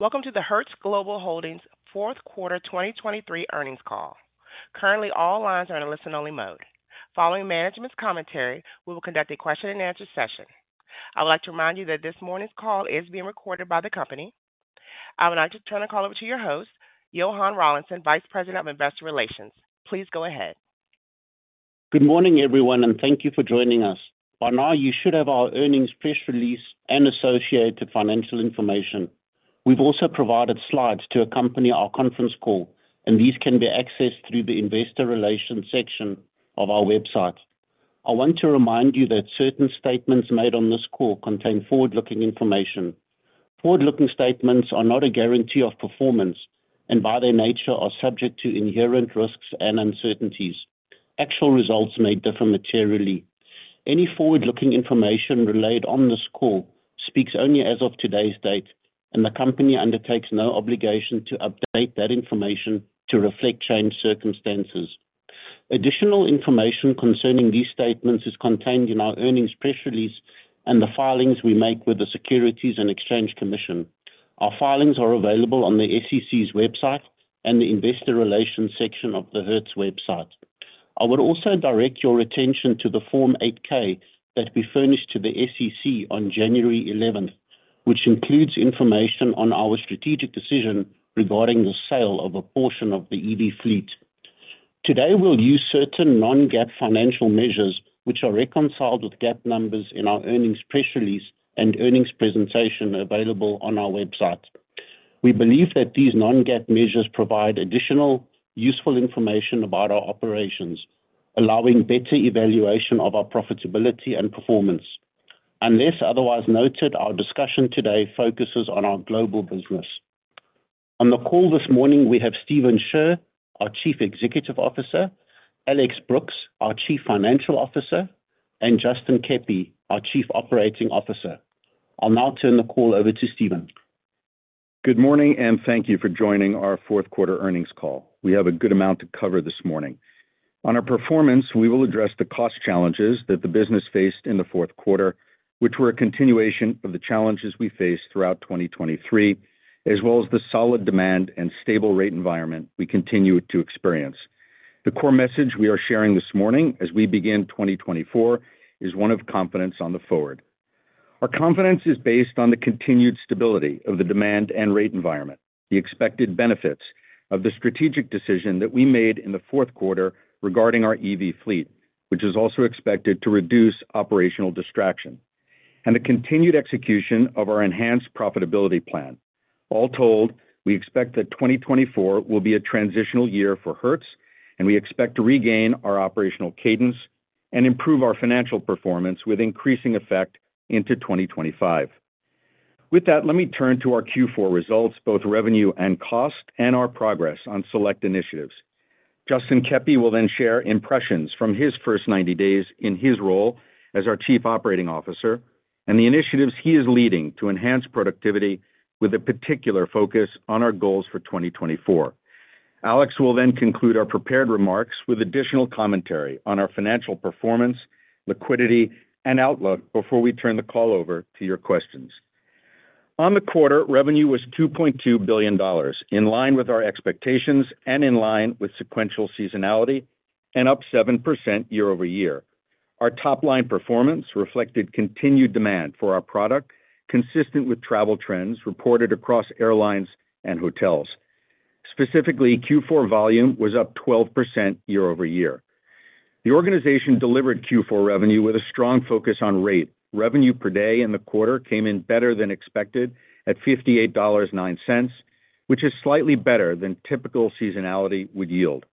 Welcome to the Hertz Global Holdings fourth quarter 2023 earnings call. Currently, all lines are in a listen-only mode. Following management's commentary, we will conduct a question-and-answer session. I would like to remind you that this morning's call is being recorded by the company. I would now just turn the call over to your host, Johann Rawlinson, Vice President of Investor Relations. Please go ahead. Good morning, everyone, and thank you for joining us. By now, you should have our earnings press release and associated financial information. We've also provided slides to accompany our conference call, and these can be accessed through the Investor Relations section of our website. I want to remind you that certain statements made on this call contain forward-looking information. Forward-looking statements are not a guarantee of performance and, by their nature, are subject to inherent risks and uncertainties. Actual results may differ materially. Any forward-looking information relayed on this call speaks only as of today's date, and the company undertakes no obligation to update that information to reflect changed circumstances. Additional information concerning these statements is contained in our earnings press release and the filings we make with the Securities and Exchange Commission. Our filings are available on the SEC's website and the Investor Relations section of the Hertz website. I would also direct your attention to the Form 8-K that we furnished to the SEC on January eleventh, which includes information on our strategic decision regarding the sale of a portion of the EV fleet. Today, we'll use certain non-GAAP financial measures, which are reconciled with GAAP numbers in our earnings press release and earnings presentation available on our website. We believe that these non-GAAP measures provide additional, useful information about our operations, allowing better evaluation of our profitability and performance. Unless otherwise noted, our discussion today focuses on our global business. On the call this morning, we have Stephen Scherr, our Chief Executive Officer, Alex Brooks, our Chief Financial Officer, and Justin Keppy, our Chief Operating Officer. I'll now turn the call over to Stephen. Good morning, and thank you for joining our fourth quarter earnings call. We have a good amount to cover this morning. On our performance, we will address the cost challenges that the business faced in the fourth quarter, which were a continuation of the challenges we faced throughout 2023, as well as the solid demand and stable rate environment we continue to experience. The core message we are sharing this morning, as we begin 2024, is one of confidence on the forward. Our confidence is based on the continued stability of the demand and rate environment, the expected benefits of the strategic decision that we made in the fourth quarter regarding our EV fleet, which is also expected to reduce operational distraction, and the continued execution of our enhanced profitability plan. All told, we expect that 2024 will be a transitional year for Hertz, and we expect to regain our operational cadence and improve our financial performance with increasing effect into 2025. With that, let me turn to our Q4 results, both revenue and cost, and our progress on select initiatives. Justin Keppy will then share impressions from his first 90 days in his role as our Chief Operating Officer and the initiatives he is leading to enhance productivity, with a particular focus on our goals for 2024. Alex will then conclude our prepared remarks with additional commentary on our financial performance, liquidity, and outlook before we turn the call over to your questions. On the quarter, revenue was $2.2 billion, in line with our expectations and in line with sequential seasonality, and up 7% year-over-year. Our top-line performance reflected continued demand for our product, consistent with travel trends reported across airlines and hotels. Specifically, Q4 volume was up 12% year over year. The organization delivered Q4 revenue with a strong focus on rate. Revenue per day in the quarter came in better than expected at $58.09, which is slightly better than typical seasonality would yield.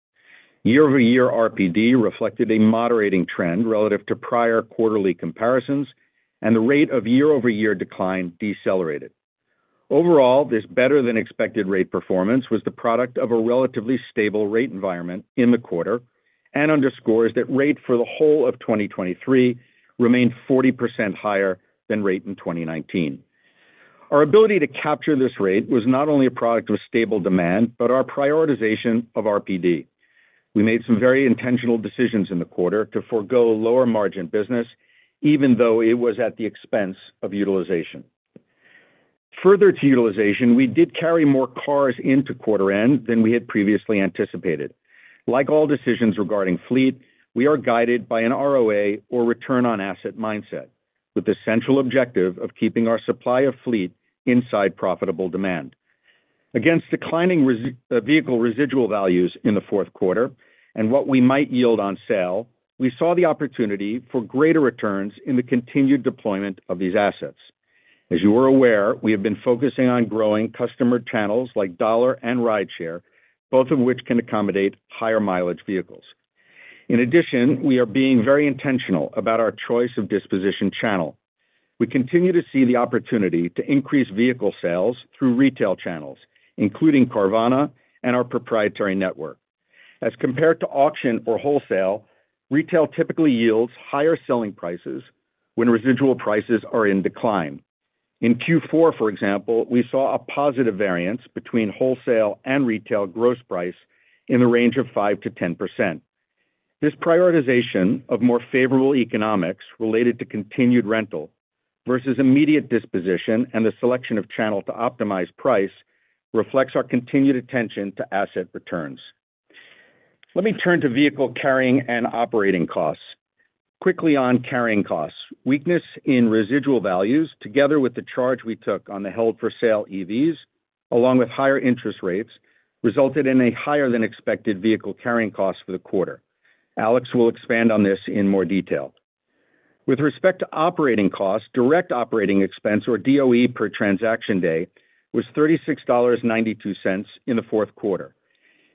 Year-over-year RPD reflected a moderating trend relative to prior quarterly comparisons, and the rate of year-over-year decline decelerated. Overall, this better-than-expected rate performance was the product of a relatively stable rate environment in the quarter and underscores that rate for the whole of 2023 remained 40% higher than rate in 2019. Our ability to capture this rate was not only a product of stable demand, but our prioritization of RPD. We made some very intentional decisions in the quarter to forgo lower-margin business, even though it was at the expense of utilization. Further to utilization, we did carry more cars into quarter end than we had previously anticipated. Like all decisions regarding fleet, we are guided by an ROA, or return on asset mindset, with the central objective of keeping our supply of fleet inside profitable demand. Against declining vehicle residual values in the fourth quarter and what we might yield on sale, we saw the opportunity for greater returns in the continued deployment of these assets. As you are aware, we have been focusing on growing customer channels like Dollar and rideshare, both of which can accommodate higher-mileage vehicles. In addition, we are being very intentional about our choice of disposition channel. We continue to see the opportunity to increase vehicle sales through retail channels, including Carvana and our proprietary network. As compared to auction or wholesale, retail typically yields higher selling prices when residual prices are in decline. In Q4, for example, we saw a positive variance between wholesale and retail gross price in the range of 5%-10%. This prioritization of more favorable economics related to continued rental versus immediate disposition and the selection of channel to optimize price, reflects our continued attention to asset returns. Let me turn to vehicle carrying and operating costs. Quickly on carrying costs, weakness in residual values, together with the charge we took on the held-for-sale EVs, along with higher interest rates, resulted in a higher-than-expected vehicle carrying cost for the quarter. Alex will expand on this in more detail. With respect to operating costs, direct operating expense, or DOE, per transaction day was $36.92 in the fourth quarter.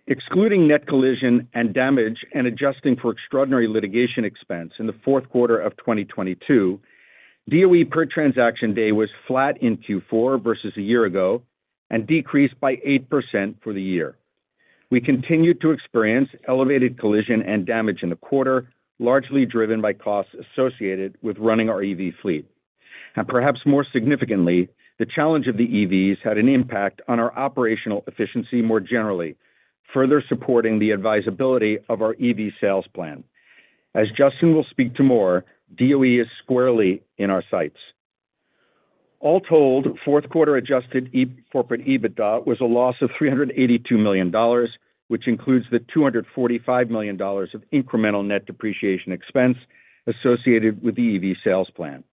Excluding net collision and damage and adjusting for extraordinary litigation expense in the fourth quarter of 2022, DOE per transaction day was flat in Q4 versus a year ago and decreased by 8% for the year. We continued to experience elevated collision and damage in the quarter, largely driven by costs associated with running our EV fleet. And perhaps more significantly, the challenge of the EVs had an impact on our operational efficiency more generally, further supporting the advisability of our EV sales plan. As Justin will speak to more, DOE is squarely in our sights. All told, fourth quarter adjusted corporate EBITDA was a loss of $382 million, which includes the $245 million of incremental net depreciation expense associated with the EV sales plan.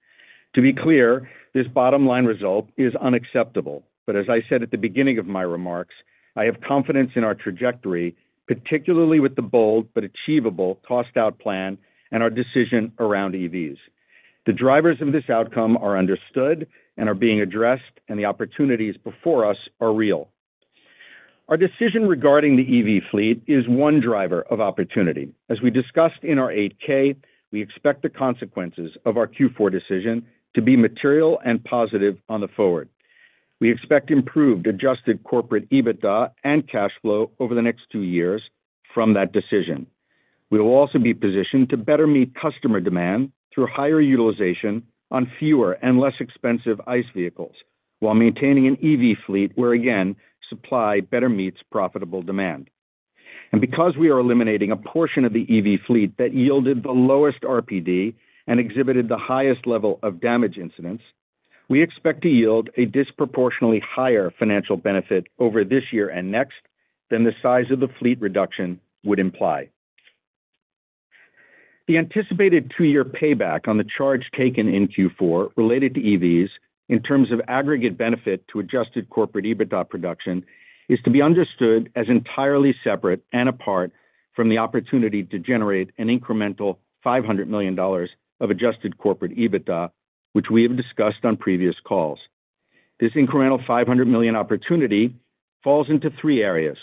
To be clear, this bottom-line result is unacceptable, but as I said at the beginning of my remarks, I have confidence in our trajectory, particularly with the bold but achievable cost-out plan and our decision around EVs. The drivers of this outcome are understood and are being addressed, and the opportunities before us are real. Our decision regarding the EV fleet is one driver of opportunity. As we discussed in our 8-K, we expect the consequences of our Q4 decision to be material and positive on the forward. We expect improved adjusted corporate EBITDA and cash flow over the next two years from that decision. We will also be positioned to better meet customer demand through higher utilization on fewer and less expensive ICE vehicles, while maintaining an EV fleet where, again, supply better meets profitable demand. And because we are eliminating a portion of the EV fleet that yielded the lowest RPD and exhibited the highest level of damage incidents, we expect to yield a disproportionately higher financial benefit over this year and next than the size of the fleet reduction would imply. The anticipated two-year payback on the charge taken in Q4 related to EVs, in terms of aggregate benefit to adjusted corporate EBITDA production, is to be understood as entirely separate and apart from the opportunity to generate an incremental $500 million of adjusted corporate EBITDA, which we have discussed on previous calls. This incremental $500 million opportunity falls into three areas.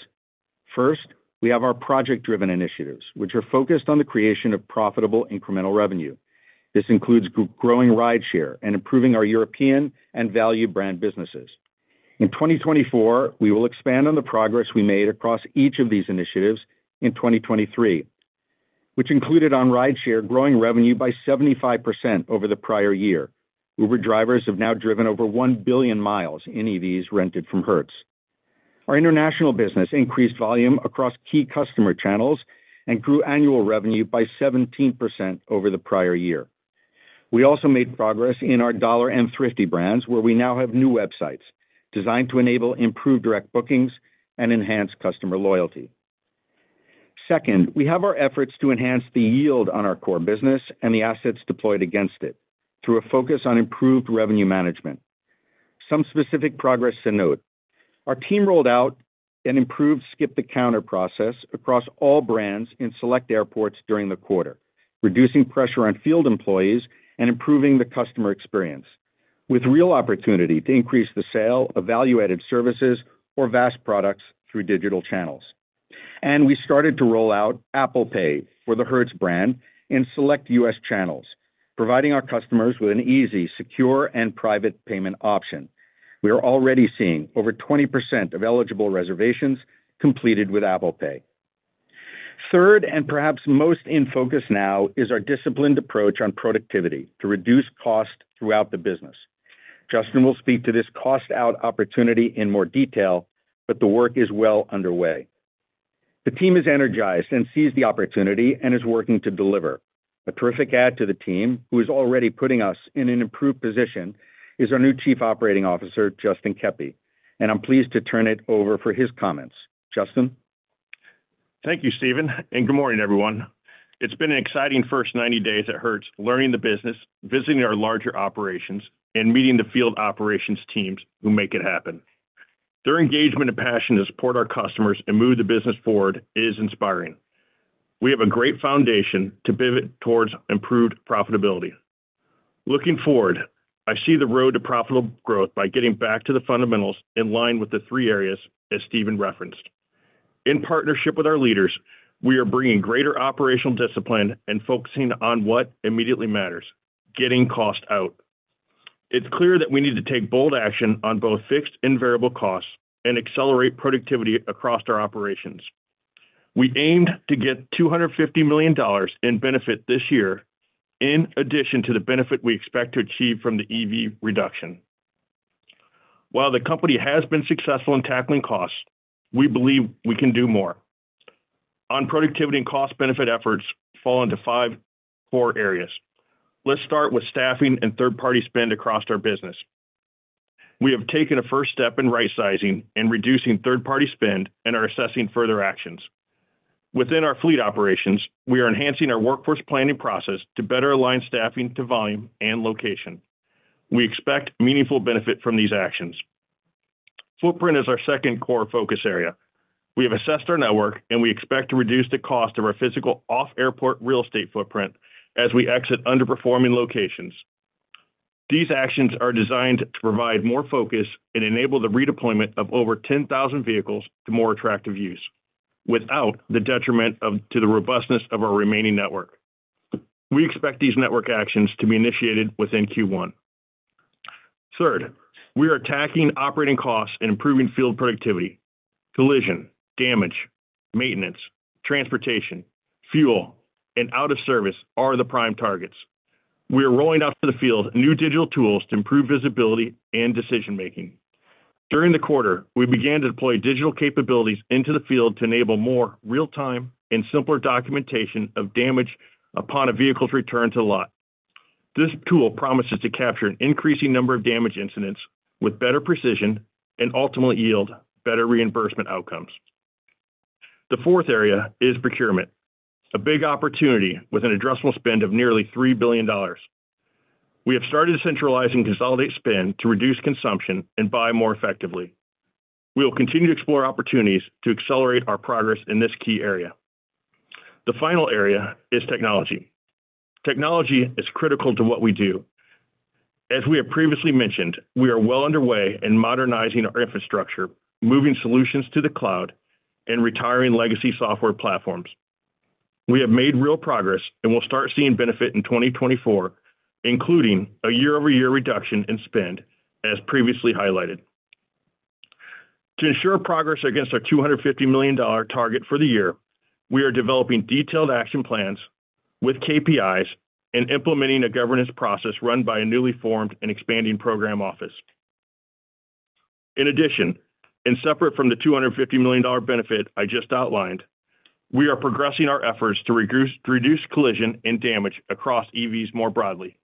First, we have our project-driven initiatives, which are focused on the creation of profitable incremental revenue. This includes growing rideshare and improving our European and value brand businesses. In 2024, we will expand on the progress we made across each of these initiatives in 2023, which included on rideshare, growing revenue by 75% over the prior year. Uber drivers have now driven over 1 billion miles in EVs rented from Hertz. Our international business increased volume across key customer channels and grew annual revenue by 17% over the prior year. We also made progress in our Dollar and Thrifty brands, where we now have new websites designed to enable improved direct bookings and enhance customer loyalty. Second, we have our efforts to enhance the yield on our core business and the assets deployed against it through a focus on improved revenue management. Some specific progress to note: Our team rolled out an improved skip-the-counter process across all brands in select airports during the quarter, reducing pressure on field employees and improving the customer experience, with real opportunity to increase the sale of value-added services or VAS products through digital channels. We started to roll out Apple Pay for the Hertz brand in select U.S. channels, providing our customers with an easy, secure, and private payment option. We are already seeing over 20% of eligible reservations completed with Apple Pay. Third, and perhaps most in focus now, is our disciplined approach on productivity to reduce costs throughout the business. Justin will speak to this cost-out opportunity in more detail, but the work is well underway. The team is energized and sees the opportunity and is working to deliver. A terrific add to the team, who is already putting us in an improved position, is our new Chief Operating Officer, Justin Keppy, and I'm pleased to turn it over for his comments. Justin? Thank you, Stephen, and good morning, everyone. It's been an exciting first 90 days at Hertz, learning the business, visiting our larger operations, and meeting the field operations teams who make it happen. Their engagement and passion to support our customers and move the business forward is inspiring. We have a great foundation to pivot towards improved profitability. Looking forward, I see the road to profitable growth by getting back to the fundamentals in line with the three areas, as Stephen referenced. In partnership with our leaders, we are bringing greater operational discipline and focusing on what immediately matters, getting cost out. It's clear that we need to take bold action on both fixed and variable costs and accelerate productivity across our operations. We aim to get $250 million in benefit this year in addition to the benefit we expect to achieve from the EV reduction.... While the company has been successful in tackling costs, we believe we can do more. On productivity and cost benefit efforts fall into five core areas. Let's start with staffing and third-party spend across our business. We have taken a first step in right sizing and reducing third-party spend and are assessing further actions. Within our fleet operations, we are enhancing our workforce planning process to better align staffing to volume and location. We expect meaningful benefit from these actions. Footprint is our second core focus area. We have assessed our network, and we expect to reduce the cost of our physical off-airport real estate footprint as we exit underperforming locations. These actions are designed to provide more focus and enable the redeployment of over 10,000 vehicles to more attractive use, without the detriment of, to the robustness of our remaining network. We expect these network actions to be initiated within Q1. Third, we are attacking operating costs and improving field productivity. Collision, damage, maintenance, transportation, fuel, and out of service are the prime targets. We are rolling out to the field new digital tools to improve visibility and decision-making. During the quarter, we began to deploy digital capabilities into the field to enable more real-time and simpler documentation of damage upon a vehicle's return to lot. This tool promises to capture an increasing number of damage incidents with better precision and ultimately yield better reimbursement outcomes. The fourth area is procurement, a big opportunity with an addressable spend of nearly $3 billion. We have started to centralize and consolidate spend to reduce consumption and buy more effectively. We will continue to explore opportunities to accelerate our progress in this key area. The final area is technology. Technology is critical to what we do. As we have previously mentioned, we are well underway in modernizing our infrastructure, moving solutions to the cloud, and retiring legacy software platforms. We have made real progress and will start seeing benefit in 2024, including a year-over-year reduction in spend, as previously highlighted. To ensure progress against our $250 million target for the year, we are developing detailed action plans with KPIs and implementing a governance process run by a newly formed and expanding program office. In addition, and separate from the $250 million benefit I just outlined, we are progressing our efforts to reduce, reduce collision and damage across EVs more broadly.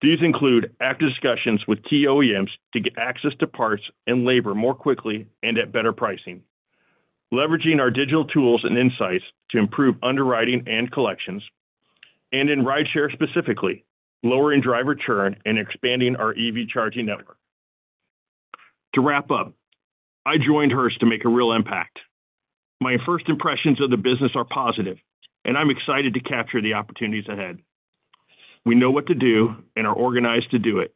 These include active discussions with key OEMs to get access to parts and labor more quickly and at better pricing, leveraging our digital tools and insights to improve underwriting and collections, and in rideshare specifically, lowering driver churn and expanding our EV charging network. To wrap up, I joined Hertz to make a real impact. My first impressions of the business are positive, and I'm excited to capture the opportunities ahead. We know what to do and are organized to do it.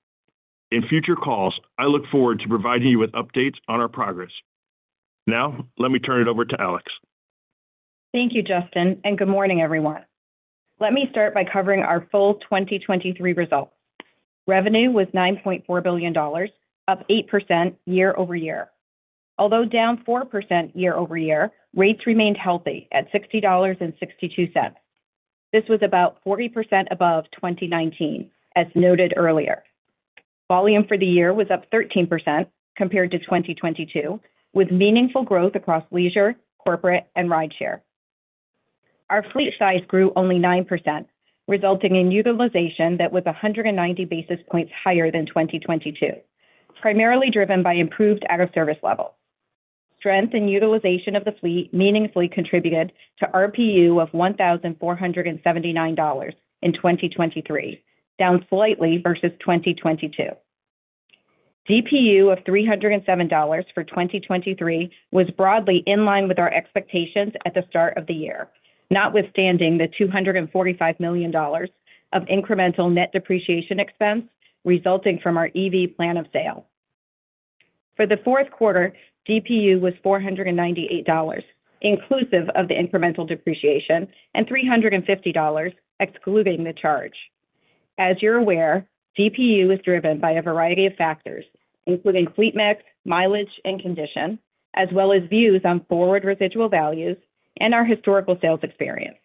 In future calls, I look forward to providing you with updates on our progress. Now, let me turn it over to Alex. Thank you, Justin, and good morning, everyone. Let me start by covering our full 2023 results. Revenue was $9.4 billion, up 8% year-over-year. Although down 4% year-over-year, rates remained healthy at $60.62. This was about 40% above 2019, as noted earlier. Volume for the year was up 13% compared to 2022, with meaningful growth across leisure, corporate, and rideshare. Our fleet size grew only 9%, resulting in utilization that was 190 basis points higher than 2022, primarily driven by improved out of service levels. Strength and utilization of the fleet meaningfully contributed to RPU of $1,479 in 2023, down slightly versus 2022. DPU of $307 for 2023 was broadly in line with our expectations at the start of the year, notwithstanding the $245 million of incremental net depreciation expense resulting from our EV plan of sale. For the fourth quarter, DPU was $498, inclusive of the incremental depreciation, and $350, excluding the charge. As you're aware, DPU is driven by a variety of factors, including fleet mix, mileage, and condition, as well as views on forward residual values and our historical sales experience.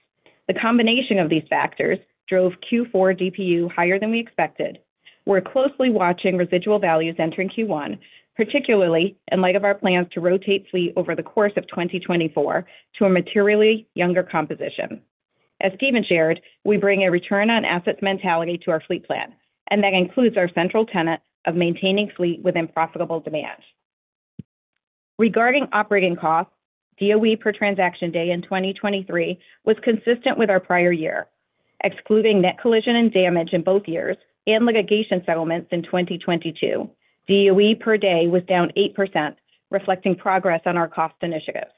The combination of these factors drove Q4 DPU higher than we expected. We're closely watching residual values entering Q1, particularly in light of our plans to rotate fleet over the course of 2024 to a materially younger composition. As Stephen shared, we bring a return on assets mentality to our fleet plan, and that includes our central tenet of maintaining fleet within profitable demand. Regarding operating costs, DOE per transaction day in 2023 was consistent with our prior year, excluding net collision and damage in both years and litigation settlements in 2022. DOE per day was down 8%, reflecting progress on our cost initiatives.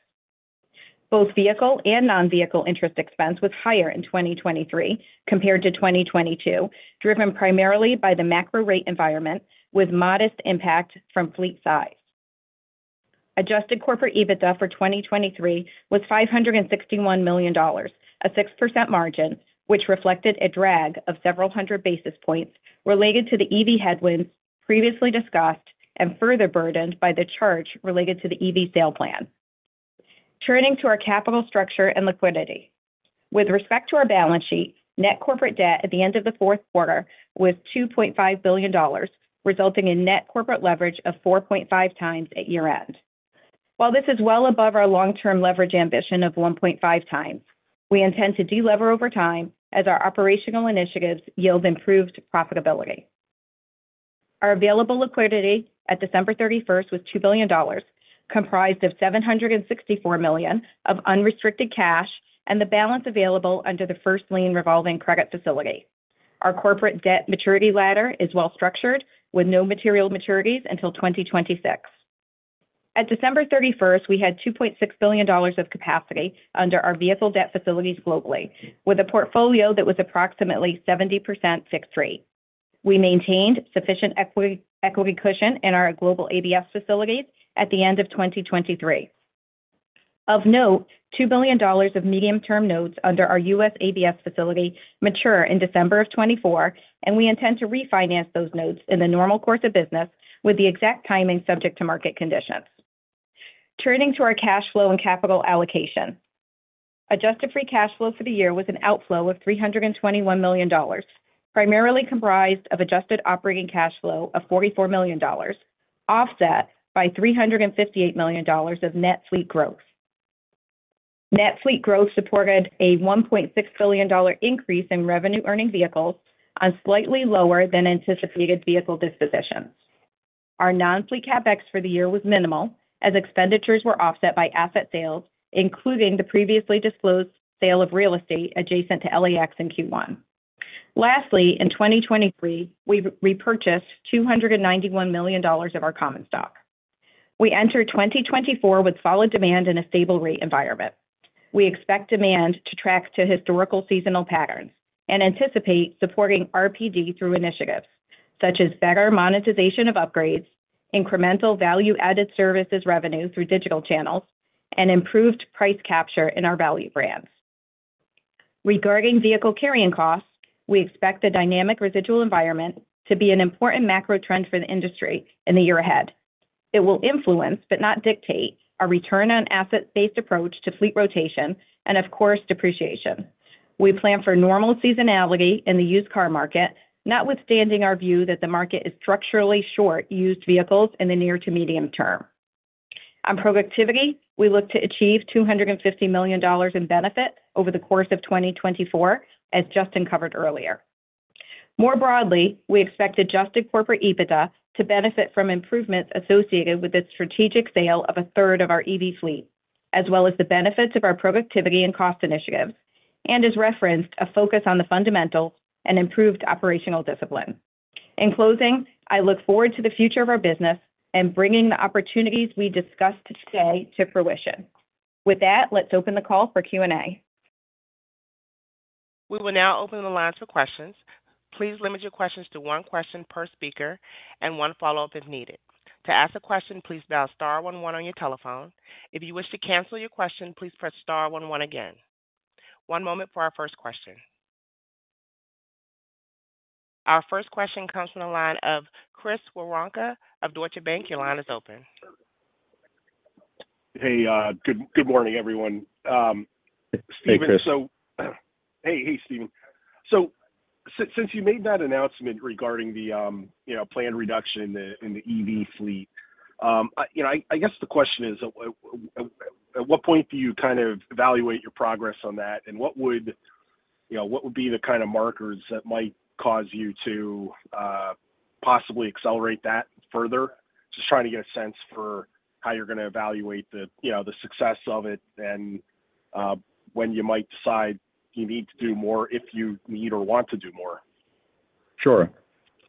Both vehicle and non-vehicle interest expense was higher in 2023 compared to 2022, driven primarily by the macro rate environment with modest impact from fleet size. Adjusted corporate EBITDA for 2023 was $561 million, a 6% margin, which reflected a drag of several hundred basis points related to the EV headwinds previously discussed and further burdened by the charge related to the EV sale plan. Turning to our capital structure and liquidity. With respect to our balance sheet, net corporate debt at the end of the fourth quarter was $2.5 billion, resulting in net corporate leverage of 4.5x at year-end. While this is well above our long-term leverage ambition of 1.5x, we intend to delever over time as our operational initiatives yield improved profitability. Our available liquidity at December 31st was $2 billion, comprised of $764 million of unrestricted cash and the balance available under the first lien revolving credit facility. Our corporate debt maturity ladder is well structured, with no material maturities until 2026. At December 31st, we had $2.6 billion of capacity under our vehicle debt facilities globally, with a portfolio that was approximately 70% fixed rate. We maintained sufficient equity, equity cushion in our global ABS facilities at the end of 2023. Of note, $2 billion of medium-term notes under our U.S. ABS facility mature in December 2024, and we intend to refinance those notes in the normal course of business with the exact timing subject to market conditions. Turning to our cash flow and capital allocation. Adjusted free cash flow for the year was an outflow of $321 million, primarily comprised of adjusted operating cash flow of $44 million, offset by $358 million of net fleet growth. Net fleet growth supported a $1.6 billion increase in revenue-earning vehicles on slightly lower than anticipated vehicle dispositions. Our non-fleet CapEx for the year was minimal, as expenditures were offset by asset sales, including the previously disclosed sale of real estate adjacent to LAX in Q1. Lastly, in 2023, we repurchased $291 million of our common stock. We enter 2024 with solid demand and a stable rate environment. We expect demand to track to historical seasonal patterns and anticipate supporting RPD through initiatives such as better monetization of upgrades, incremental value-added services revenue through digital channels, and improved price capture in our value brands. Regarding vehicle carrying costs, we expect the dynamic residual environment to be an important macro trend for the industry in the year ahead. It will influence, but not dictate, our return on asset-based approach to fleet rotation and, of course, depreciation. We plan for normal seasonality in the used car market, notwithstanding our view that the market is structurally short used vehicles in the near to medium term. On productivity, we look to achieve $250 million in benefit over the course of 2024, as Justin covered earlier. More broadly, we expect Adjusted Corporate EBITDA to benefit from improvements associated with the strategic sale of a third of our EV fleet, as well as the benefits of our productivity and cost initiatives, and as referenced, a focus on the fundamental and improved operational discipline. In closing, I look forward to the future of our business and bringing the opportunities we discussed today to fruition. With that, let's open the call for Q&A. We will now open the lines for questions. Please limit your questions to one question per speaker and one follow-up if needed. To ask a question, please dial star one one on your telephone. If you wish to cancel your question, please press star one one again. One moment for our first question. Our first question comes from the line of Chris Woronka of Deutsche Bank. Your line is open. Hey, good morning, everyone. Stephen, so- Hey, Chris. Hey. Hey, Stephen. So since you made that announcement regarding the, you know, planned reduction in the, in the EV fleet, I, you know, I, I guess the question is, what point do you kind of evaluate your progress on that? And what would, you know, what would be the kind of markers that might cause you to possibly accelerate that further? Just trying to get a sense for how you're gonna evaluate the, you know, the success of it and when you might decide you need to do more, if you need or want to do more. Sure.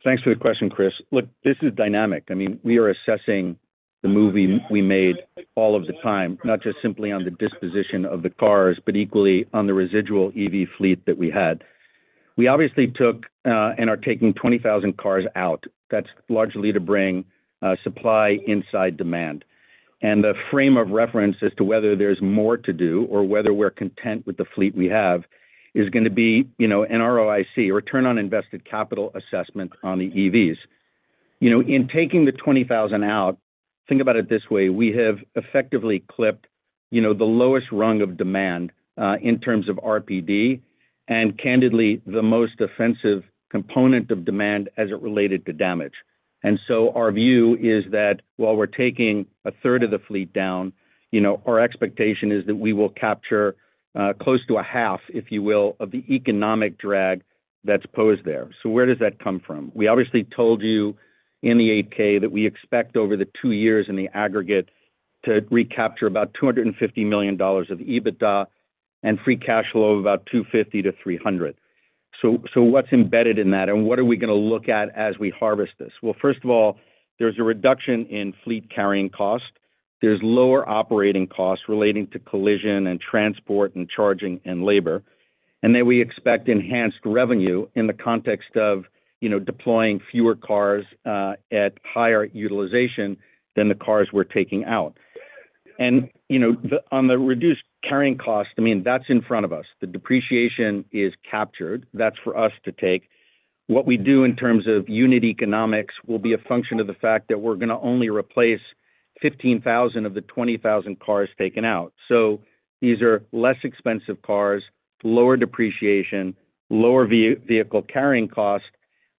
Thanks for the question, Chris. Look, this is dynamic. I mean, we are assessing the move we made all of the time, not just simply on the disposition of the cars, but equally on the residual EV fleet that we had. We obviously took and are taking 20,000 cars out. That's largely to bring supply inside demand. And the frame of reference as to whether there's more to do or whether we're content with the fleet we have is gonna be, you know, an ROIC, return on invested capital assessment on the EVs. You know, in taking the 20,000 out, think about it this way: we have effectively clipped, you know, the lowest rung of demand in terms of RPD and candidly, the most offensive component of demand as it related to damage. And so our view is that while we're taking a third of the fleet down, you know, our expectation is that we will capture close to a half, if you will, of the economic drag that's posed there. So where does that come from? We obviously told you in the 8-K that we expect over the two years in the aggregate to recapture about $250 million of EBITDA and free cash flow of about $250 million-$300 million. So what's embedded in that, and what are we gonna look at as we harvest this? Well, first of all, there's a reduction in fleet carrying cost. There's lower operating costs relating to collision and transport and charging and labor. Then we expect enhanced revenue in the context of, you know, deploying fewer cars at higher utilization than the cars we're taking out. And, you know, on the reduced carrying cost, I mean, that's in front of us. The depreciation is captured. That's for us to take... what we do in terms of unit economics will be a function of the fact that we're going to only replace 15,000 of the 20,000 cars taken out. So these are less expensive cars, lower depreciation, lower vehicle carrying cost,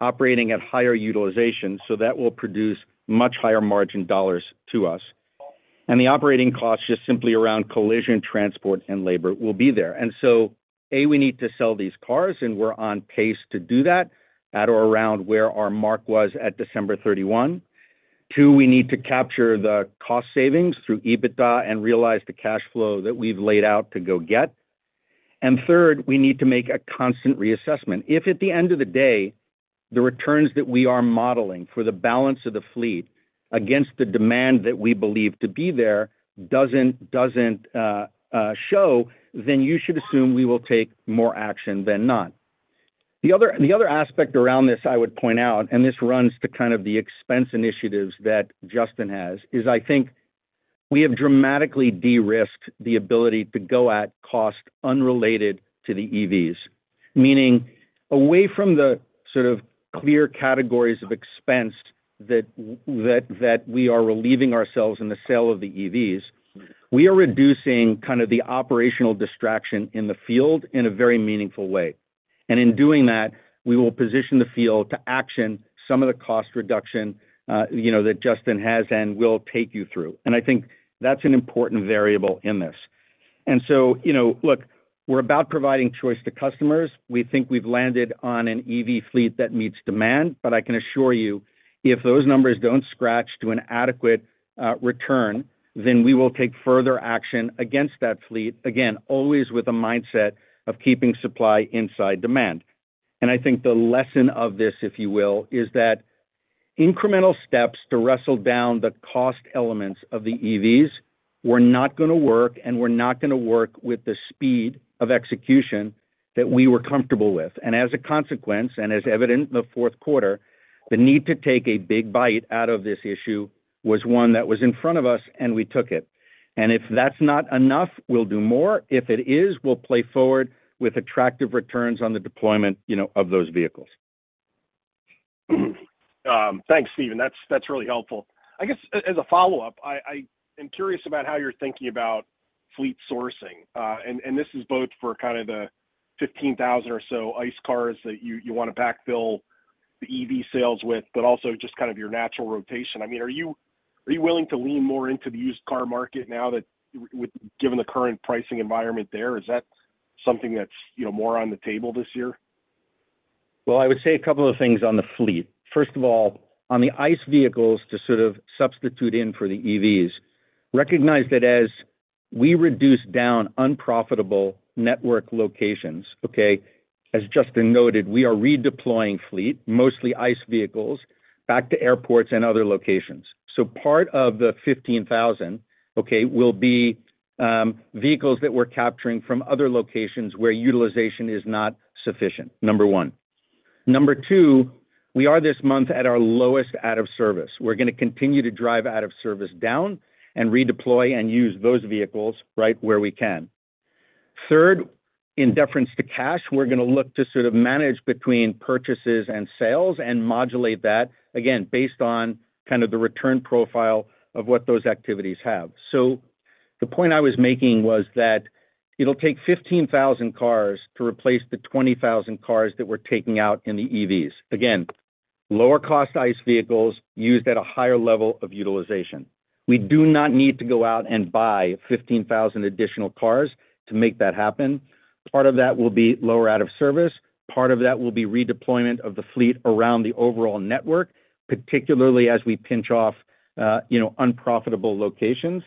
operating at higher utilization, so that will produce much higher margin dollars to us. And the operating costs, just simply around collision, transport, and labor, will be there. And so, A, we need to sell these cars, and we're on pace to do that at or around where our mark was at December 31st. Two, we need to capture the cost savings through EBITDA and realize the cash flow that we've laid out to go get. And third, we need to make a constant reassessment. If, at the end of the day, the returns that we are modeling for the balance of the fleet against the demand that we believe to be there doesn't show, then you should assume we will take more action than not. The other aspect around this, I would point out, and this runs to kind of the expense initiatives that Justin has, is I think we have dramatically de-risked the ability to go at cost unrelated to the EVs. Meaning away from the sort of clear categories of expense that we are relieving ourselves in the sale of the EVs, we are reducing kind of the operational distraction in the field in a very meaningful way. And in doing that, we will position the field to action some of the cost reduction, you know, that Justin has and will take you through. And I think that's an important variable in this. And so, you know, look, we're about providing choice to customers. We think we've landed on an EV fleet that meets demand, but I can assure you, if those numbers don't scratch to an adequate return, then we will take further action against that fleet. Again, always with a mindset of keeping supply inside demand. And I think the lesson of this, if you will, is that incremental steps to wrestle down the cost elements of the EVs were not going to work and were not going to work with the speed of execution that we were comfortable with. And as a consequence, and as evident in the fourth quarter, the need to take a big bite out of this issue was one that was in front of us, and we took it. And if that's not enough, we'll do more. If it is, we'll play forward with attractive returns on the deployment, you know, of those vehicles. Thanks, Stephen. That's really helpful. I guess as a follow-up, I am curious about how you're thinking about fleet sourcing. And this is both for kind of the 15,000 or so ICE cars that you want to backfill the EV sales with, but also just kind of your natural rotation. I mean, are you willing to lean more into the used car market now that given the current pricing environment there? Is that something that's, you know, more on the table this year? Well, I would say a couple of things on the fleet. First of all, on the ICE vehicles, to sort of substitute in for the EVs, recognize that as we reduce down unprofitable network locations, okay, as Justin noted, we are redeploying fleet, mostly ICE vehicles, back to airports and other locations. So part of the 15,000, okay, will be vehicles that we're capturing from other locations where utilization is not sufficient, number one. Number two, we are this month at our lowest out of service. We're going to continue to drive out of service down and redeploy and use those vehicles right where we can. Third, in deference to cash, we're going to look to sort of manage between purchases and sales and modulate that, again, based on kind of the return profile of what those activities have. So the point I was making was that it'll take 15,000 cars to replace the 20,000 cars that we're taking out in the EVs. Again, lower cost ICE vehicles used at a higher level of utilization. We do not need to go out and buy 15,000 additional cars to make that happen. Part of that will be lower out of service. Part of that will be redeployment of the fleet around the overall network, particularly as we pinch off, you know, unprofitable locations.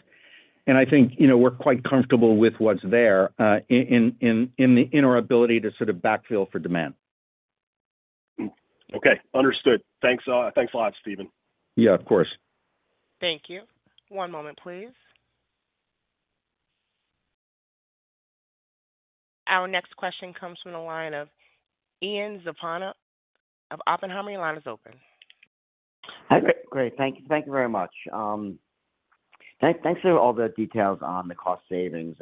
And I think, you know, we're quite comfortable with what's there, in our ability to sort of backfill for demand. Okay, understood. Thanks, thanks a lot, Stephen. Yeah, of course. Thank you. One moment, please. Our next question comes from the line of Ian Zaffino of Oppenheimer. Your line is open. Hi, great. Thank you. Thank you very much. Thanks for all the details on the cost savings.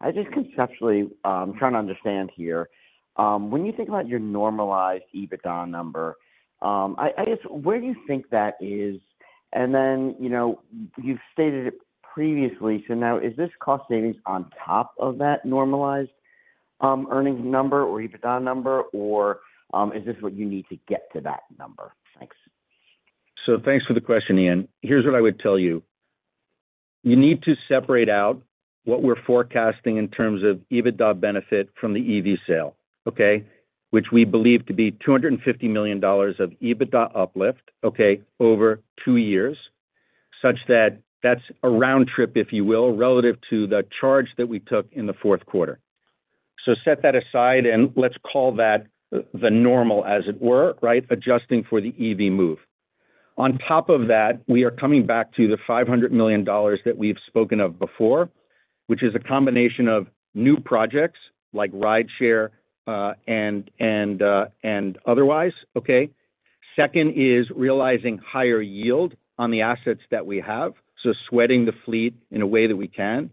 I just conceptually trying to understand here, when you think about your normalized EBITDA number, I guess, where do you think that is? And then, you know, you've stated it previously, so now is this cost savings on top of that normalized earnings number or EBITDA number, or is this what you need to get to that number? Thanks. So thanks for the question, Ian. Here's what I would tell you. You need to separate out what we're forecasting in terms of EBITDA benefit from the EV sale, okay? Which we believe to be $250 million of EBITDA uplift, okay, over two years, such that that's a round trip, if you will, relative to the charge that we took in the fourth quarter. So set that aside and let's call that the normal, as it were, right? Adjusting for the EV move. On top of that, we are coming back to the $500 million that we've spoken of before, which is a combination of new projects like rideshare, and otherwise, okay? Second is realizing higher yield on the assets that we have, so sweating the fleet in a way that we can.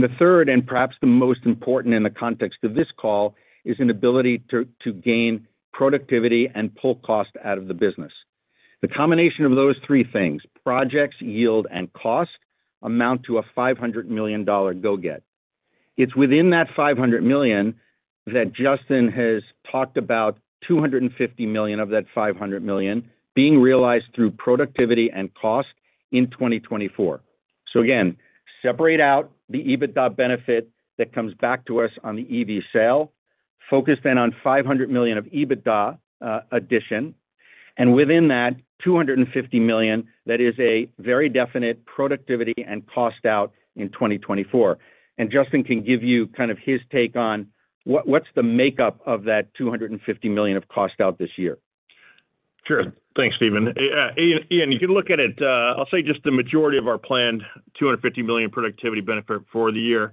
The third, and perhaps the most important in the context of this call, is an ability to gain productivity and pull cost out of the business. The combination of those three things, projects, yield, and cost, amount to a $500 million go-get. It's within that $500 million that Justin has talked about, $250 million of that $500 million being realized through productivity and cost in 2024. So again, separate out the EBITDA benefit that comes back to us on the EV sale. Focus then on $500 million of EBITDA addition, and within that, $250 million, that is a very definite productivity and cost out in 2024. And Justin can give you kind of his take on what's the makeup of that $250 million of cost out this year? Sure. Thanks, Stephen. Ian, you can look at it. I'll say just the majority of our planned $250 million productivity benefit for the year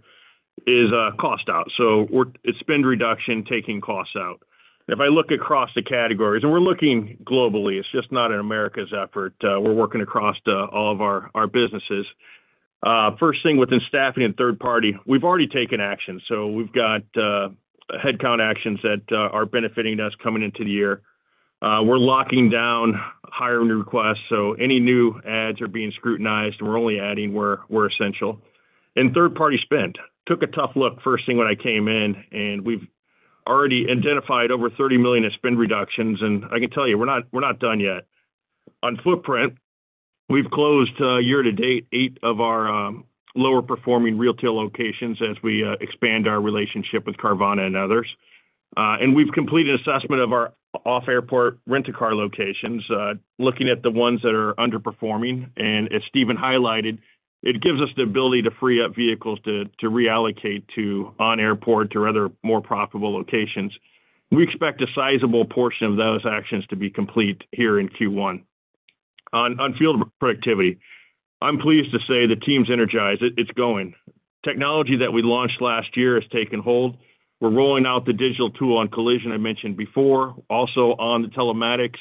is cost out. So it's spend reduction, taking costs out. If I look across the categories, and we're looking globally, it's just not an Americas effort. We're working across all of our businesses. First thing, within staffing and third party, we've already taken action, so we've got headcount actions that are benefiting us coming into the year. We're locking down hiring requests, so any new adds are being scrutinized, and we're only adding where we're essential. Third party spend. Took a tough look first thing when I came in, and we've already identified over $30 million of spend reductions, and I can tell you, we're not done yet. On footprint, we've closed year to date, eight of our lower performing retail locations as we expand our relationship with Carvana and others. And we've completed assessment of our off-airport rent-a-car locations, looking at the ones that are underperforming, and as Stephen highlighted, it gives us the ability to free up vehicles to reallocate to on-airport or other more profitable locations. We expect a sizable portion of those actions to be complete here in Q1. On field productivity, I'm pleased to say the team's energized. It's going. Technology that we launched last year has taken hold. We're rolling out the digital tool on collision I mentioned before. Also, on the telematics,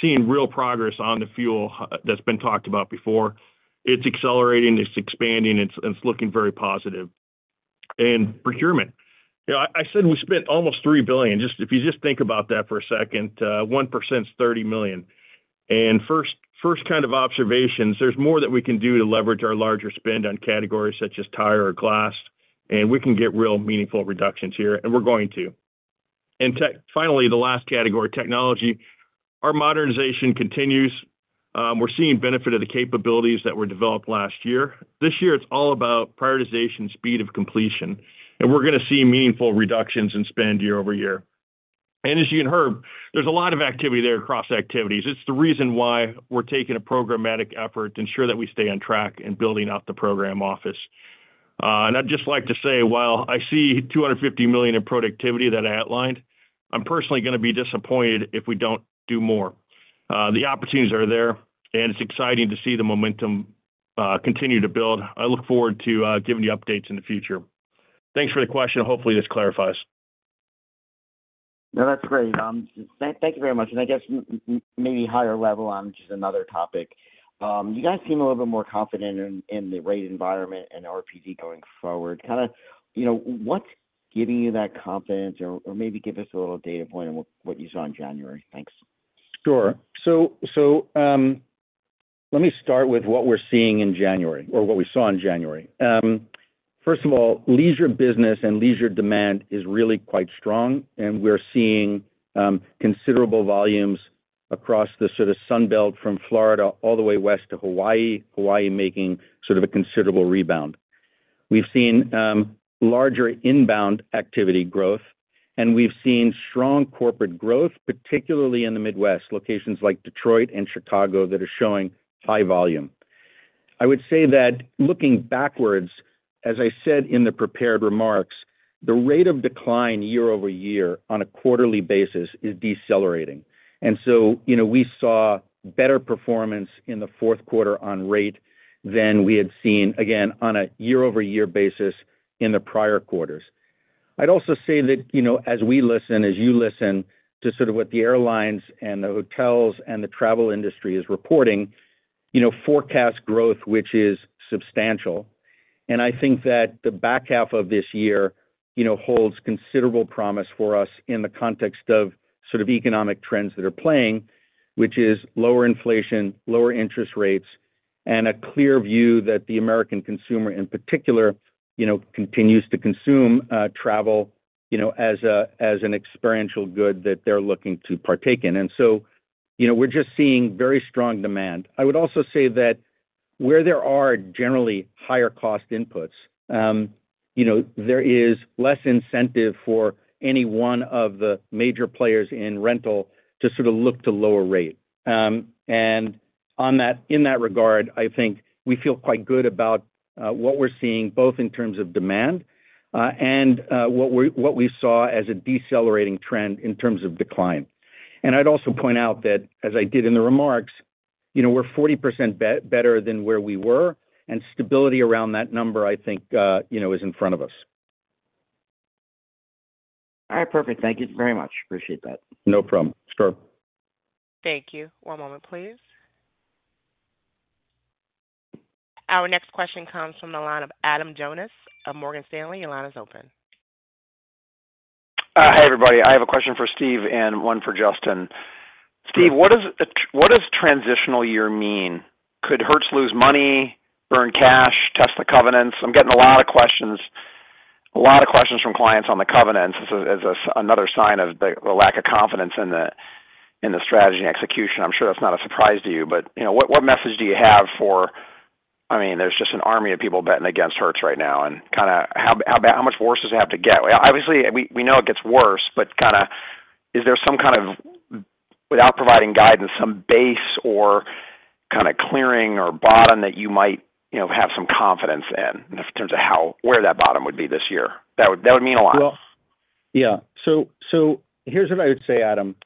seeing real progress on the fuel that's been talked about before. It's accelerating, it's expanding, it's looking very positive. And procurement. You know, I said we spent almost $3 billion. Just, if you just think about that for a second, 1% is $30 million. And first kind of observations, there's more that we can do to leverage our larger spend on categories such as tire or glass, and we can get real meaningful reductions here, and we're going to. And finally, the last category, technology. Our modernization continues. We're seeing benefit of the capabilities that were developed last year. This year, it's all about prioritization, speed of completion, and we're gonna see meaningful reductions in spend year-over-year. And as you can hear, there's a lot of activity there across activities. It's the reason why we're taking a programmatic effort to ensure that we stay on track in building out the program office. I'd just like to say, while I see $250 million in productivity that I outlined, I'm personally gonna be disappointed if we don't do more. The opportunities are there, and it's exciting to see the momentum continue to build. I look forward to giving you updates in the future. Thanks for the question, and hopefully this clarifies. No, that's great. Thank you very much. And I guess maybe higher level on just another topic. You guys seem a little bit more confident in the rate environment and RPD going forward. Kinda, you know, what's giving you that confidence or maybe give us a little data point on what you saw in January? Thanks. Sure. So, let me start with what we're seeing in January or what we saw in January. First of all, leisure business and leisure demand is really quite strong, and we're seeing considerable volumes across the sort of Sun Belt from Florida, all the way west to Hawaii. Hawaii making sort of a considerable rebound. We've seen larger inbound activity growth, and we've seen strong corporate growth, particularly in the Midwest, locations like Detroit and Chicago, that are showing high volume. I would say that looking backwards, as I said in the prepared remarks, the rate of decline year over year on a quarterly basis is decelerating. And so, you know, we saw better performance in the fourth quarter on rate than we had seen, again, on a year-over-year basis in the prior quarters. I'd also say that, you know, as we listen, as you listen to sort of what the airlines and the hotels and the travel industry is reporting, you know, forecast growth, which is substantial. And I think that the back half of this year, you know, holds considerable promise for us in the context of sort of economic trends that are playing, which is lower inflation, lower interest rates, and a clear view that the American consumer, in particular, you know, continues to consume, travel, you know, as a, as an experiential good that they're looking to partake in. And so, you know, we're just seeing very strong demand. I would also say that where there are generally higher cost inputs, you know, there is less incentive for any one of the major players in rental to sort of look to lower rate. And on that—in that regard, I think we feel quite good about what we're seeing, both in terms of demand, and what we saw as a decelerating trend in terms of decline. And I'd also point out that, as I did in the remarks, you know, we're 40% better than where we were, and stability around that number, I think, you know, is in front of us. ... All right, perfect. Thank you very much. Appreciate that. No problem. Sure. Thank you. One moment, please. Our next question comes from the line of Adam Jonas of Morgan Stanley. Your line is open. Hi, everybody. I have a question for Steve and one for Justin. Steve, what does transitional year mean? Could Hertz lose money, burn cash, test the covenants? I'm getting a lot of questions, a lot of questions from clients on the covenants. This is, as another sign of the lack of confidence in the strategy and execution. I'm sure that's not a surprise to you, but, you know, what message do you have for? I mean, there's just an army of people betting against Hertz right now, and kind of how much worse does it have to get? Obviously, we know it gets worse, but kind of, is there some kind of, without providing guidance, some base or kind of clearing or bottom that you might, you know, have some confidence in, in terms of how, where that bottom would be this year? That would mean a lot. Well, yeah. So, so here's what I would say, Adam.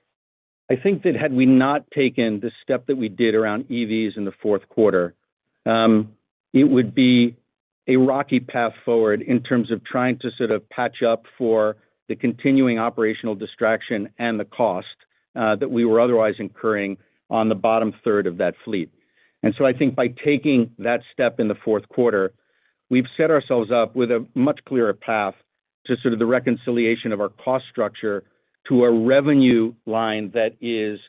I think that had we not taken the step that we did around EVs in the fourth quarter, it would be a rocky path forward in terms of trying to sort of patch up for the continuing operational distraction and the cost that we were otherwise incurring on the bottom third of that fleet. And so I think by taking that step in the fourth quarter, we've set ourselves up with a much clearer path to sort of the reconciliation of our cost structure to a revenue line that is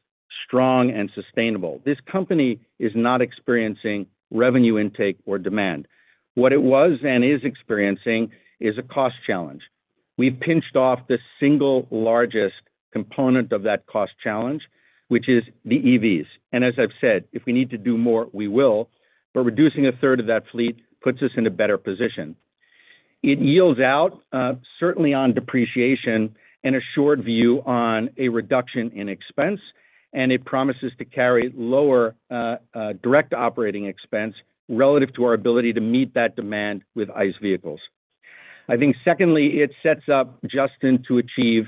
strong and sustainable. This company is not experiencing revenue intake or demand. What it was and is experiencing is a cost challenge. We've pinched off the single largest component of that cost challenge, which is the EVs, and as I've said, if we need to do more, we will, but reducing a third of that fleet puts us in a better position. It yields out, certainly on depreciation and a short view on a reduction in expense, and it promises to carry lower, direct operating expense relative to our ability to meet that demand with ICE vehicles. I think secondly, it sets up Justin to achieve,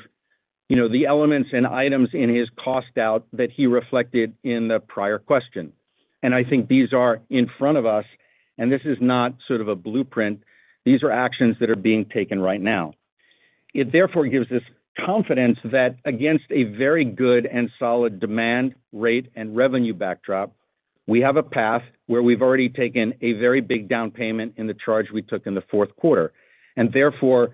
you know, the elements and items in his cost out that he reflected in the prior question. And I think these are in front of us, and this is not sort of a blueprint. These are actions that are being taken right now. It therefore gives us confidence that against a very good and solid demand rate and revenue backdrop, we have a path where we've already taken a very big down payment in the charge we took in the fourth quarter. Therefore,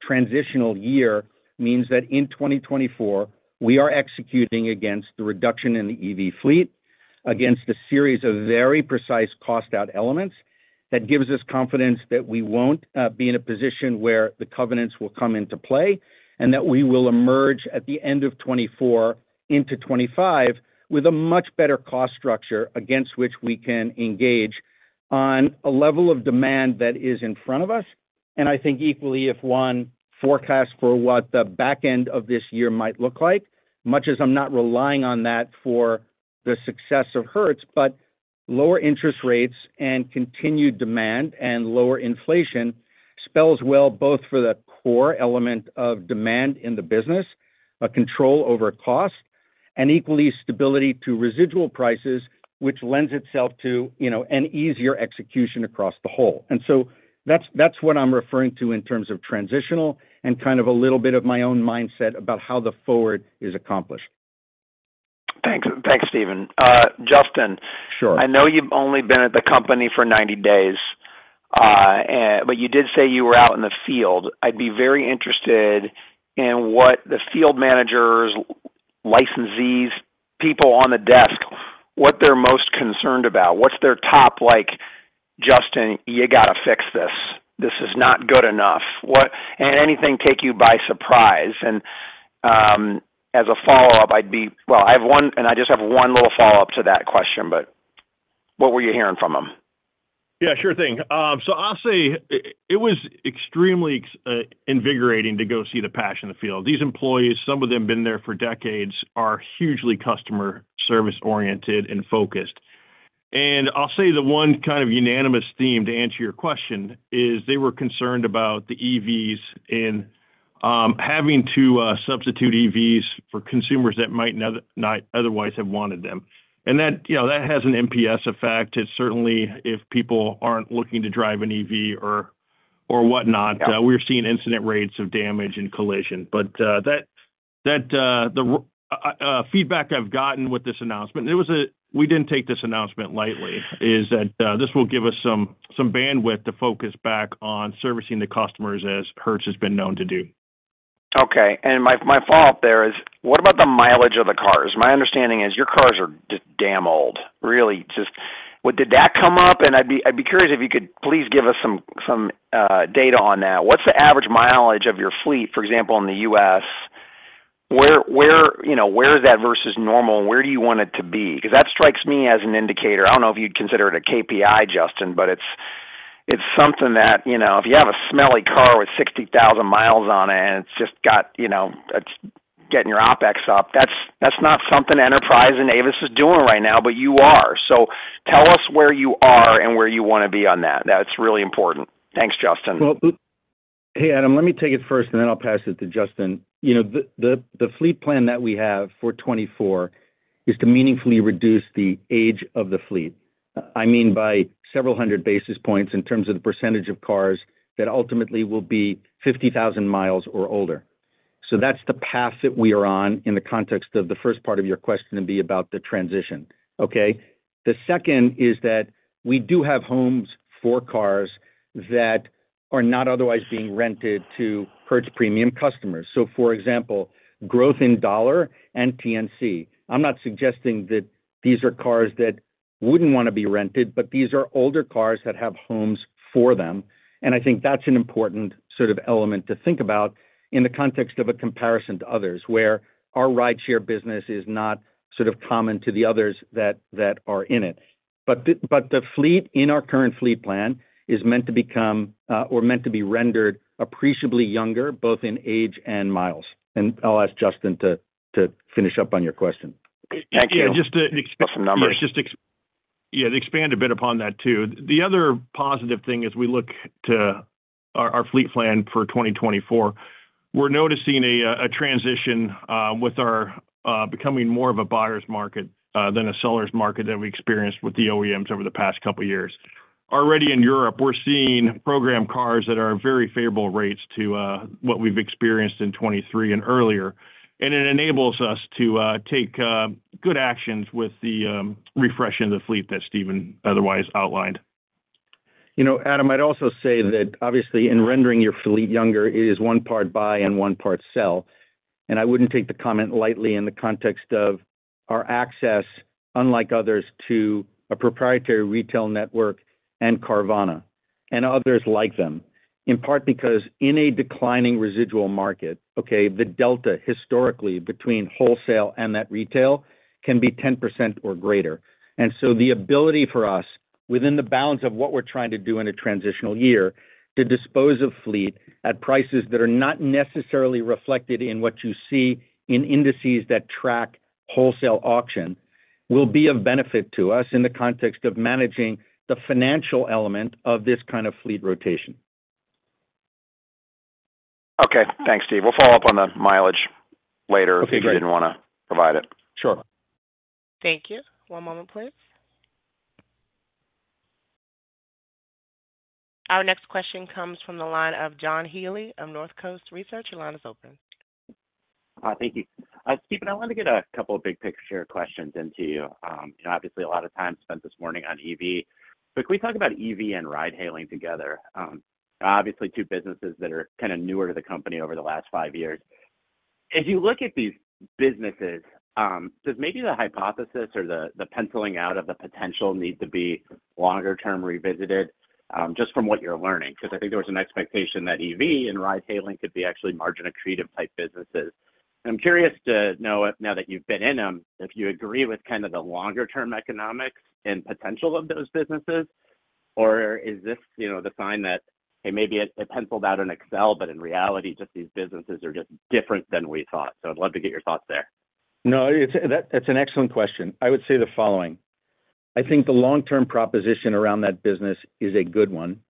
transitional year means that in 2024, we are executing against the reduction in the EV fleet, against a series of very precise cost out elements that gives us confidence that we won't be in a position where the covenants will come into play, and that we will emerge at the end of 2024 into 2025, with a much better cost structure against which we can engage on a level of demand that is in front of us. I think equally, if one forecasts for what the back end of this year might look like, much as I'm not relying on that for the success of Hertz, but lower interest rates and continued demand and lower inflation spells well both for the core element of demand in the business, a control over cost, and equally stability to residual prices, which lends itself to, you know, an easier execution across the whole. So that's, that's what I'm referring to in terms of transitional and kind of a little bit of my own mindset about how the forward is accomplished. Thanks. Thanks, Stephen. Justin- Sure. I know you've only been at the company for 90 days, and but you did say you were out in the field. I'd be very interested in what the field managers, licensees, people on the desk, what they're most concerned about. What's their top like, "Justin, you got to fix this. This is not good enough." And anything take you by surprise? And, as a follow-up, I'd be—well, I have one, and I just have one little follow-up to that question, but what were you hearing from them? Yeah, sure thing. So I'll say it was extremely invigorating to go see the passion in the field. These employees, some of them been there for decades, are hugely customer service-oriented and focused. And I'll say the one kind of unanimous theme, to answer your question, is they were concerned about the EVs and having to substitute EVs for consumers that might not otherwise have wanted them. And that, you know, that has an NPS effect. It's certainly if people aren't looking to drive an EV or whatnot- Yeah We're seeing incident rates of damage and collision. But, the feedback I've gotten with this announcement, and it was we didn't take this announcement lightly, is that this will give us some bandwidth to focus back on servicing the customers as Hertz has been known to do. Okay, and my follow-up there is: What about the mileage of the cars? My understanding is your cars are just damn old. Really, just... Well, did that come up? And I'd be curious if you could please give us some data on that. What's the average mileage of your fleet, for example, in the U.S.? Where, you know, where is that versus normal, and where do you want it to be? Because that strikes me as an indicator. I don't know if you'd consider it a KPI, Justin, but it's something that, you know, if you have a smelly car with 60,000 miles on it and it's just got, you know, it's getting your OpEx up, that's not something Enterprise and Avis is doing right now, but you are. So tell us where you are and where you want to be on that. That's really important. Thanks, Justin. Well, hey, Adam, let me take it first, and then I'll pass it to Justin. You know, the fleet plan that we have for 2024 is to meaningfully reduce the age of the fleet. I mean, by several hundred basis points in terms of the percentage of cars that ultimately will be 50,000 miles or older. So that's the path that we are on in the context of the first part of your question to be about the transition. Okay? The second is that we do have homes for cars that are not otherwise being rented to Hertz premium customers. So, for example, growth in Dollar and TNC. I'm not suggesting that these are cars that wouldn't want to be rented, but these are older cars that have homes for them, and I think that's an important sort of element to think about in the context of a comparison to others, where our rideshare business is not sort of common to the others that are in it. But the fleet in our current fleet plan is meant to become or meant to be rendered appreciably younger, both in age and miles. And I'll ask Justin to finish up on your question. Yeah, just to- Put some numbers. Yeah, to expand a bit upon that too. The other positive thing as we look to our fleet plan for 2024, we're noticing a transition with our becoming more of a buyer's market than a seller's market that we experienced with the OEMs over the past couple of years. Already in Europe, we're seeing program cars that are very favorable rates to what we've experienced in 2023 and earlier. And it enables us to take good actions with the refresh in the fleet that Stephen otherwise outlined. You know, Adam, I'd also say that obviously in rendering your fleet younger, it is one part buy and one part sell. And I wouldn't take the comment lightly in the context of our access, unlike others, to a proprietary retail network and Carvana and others like them, in part because in a declining residual market, okay, the delta historically between wholesale and that retail can be 10% or greater. And so the ability for us, within the bounds of what we're trying to do in a transitional year, to dispose of fleet at prices that are not necessarily reflected in what you see in indices that track wholesale auction, will be of benefit to us in the context of managing the financial element of this kind of fleet rotation. Okay, thanks, Steve. We'll follow up on the mileage later- Okay, great. -if you didn't want to provide it. Sure. Thank you. One moment, please. Our next question comes from the line of John Healy of Northcoast Research. Your line is open. Thank you. Stephen, I wanted to get a couple of big-picture questions into you. You know, obviously, a lot of time spent this morning on EV. But can we talk about EV and ride hailing together? Obviously two businesses that are kind of newer to the company over the last five years. As you look at these businesses, does maybe the hypothesis or the penciling out of the potential need to be longer-term revisited, just from what you're learning? Because I think there was an expectation that EV and ride hailing could be actually margin-accretive type businesses. I'm curious to know, now that you've been in them, if you agree with kind of the longer-term economics and potential of those businesses, or is this, you know, the sign that, hey, maybe it penciled out in Excel, but in reality, just these businesses are just different than we thought. So I'd love to get your thoughts there. No, that's an excellent question. I would say the following: I think the long-term proposition around that business is a good one.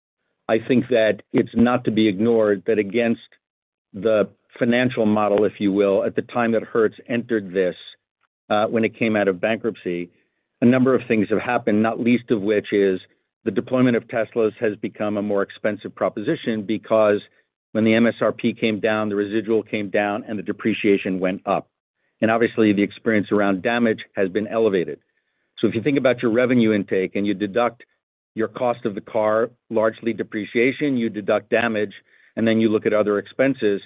I think that it's not to be ignored, that against the financial model, if you will, at the time that Hertz entered this, when it came out of bankruptcy, a number of things have happened, not least of which is the deployment of Teslas has become a more expensive proposition because when the MSRP came down, the residual came down and the depreciation went up. And obviously, the experience around damage has been elevated. So if you think about your revenue intake and you deduct your cost of the car, largely depreciation, you deduct damage, and then you look at other expenses,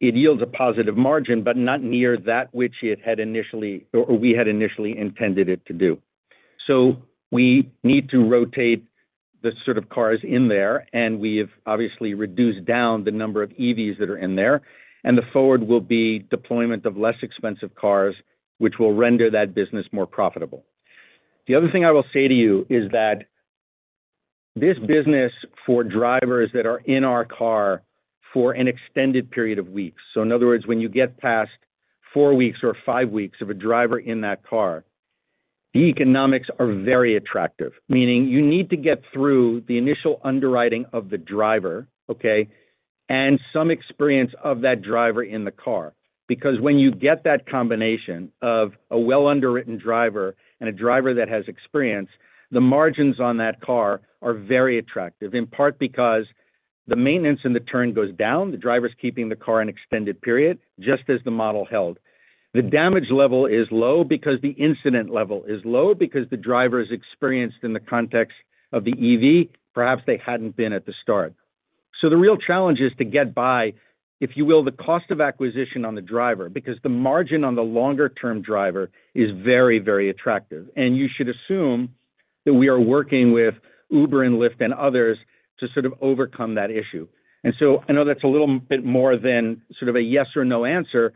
it yields a positive margin, but not near that which it had initially or we had initially intended it to do. So we need to rotate the sort of cars in there, and we've obviously reduced down the number of EVs that are in there, and the forward will be deployment of less expensive cars, which will render that business more profitable. The other thing I will say to you is that this business for drivers that are in our car for an extended period of weeks, so in other words, when you get past four weeks or five weeks of a driver in that car, the economics are very attractive. Meaning, you need to get through the initial underwriting of the driver, okay, and some experience of that driver in the car, because when you get that combination of a well underwritten driver and a driver that has experience, the margins on that car are very attractive, in part because the maintenance and the turn goes down, the driver's keeping the car an extended period, just as the model held. The damage level is low because the incident level is low, because the driver is experienced in the context of the EV, perhaps they hadn't been at the start. So the real challenge is to get by, if you will, the cost of acquisition on the driver, because the margin on the longer-term driver is very, very attractive. You should assume that we are working with Uber and Lyft and others to sort of overcome that issue. And so I know that's a little bit more than sort of a yes or no answer,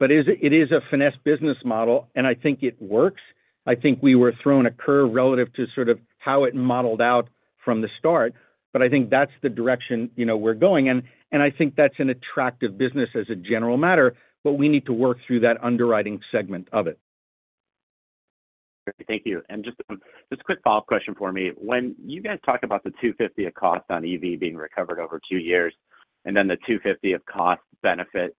but it is a finesse business model, and I think it works. I think we were thrown a curve relative to sort of how it modeled out from the start, but I think that's the direction, you know, we're going in, and I think that's an attractive business as a general matter, but we need to work through that underwriting segment of it. Thank you. Just, just a quick follow-up question for me. When you guys talk about the $250 of cost on EV being recovered over two years, and then the $250 of cost benefit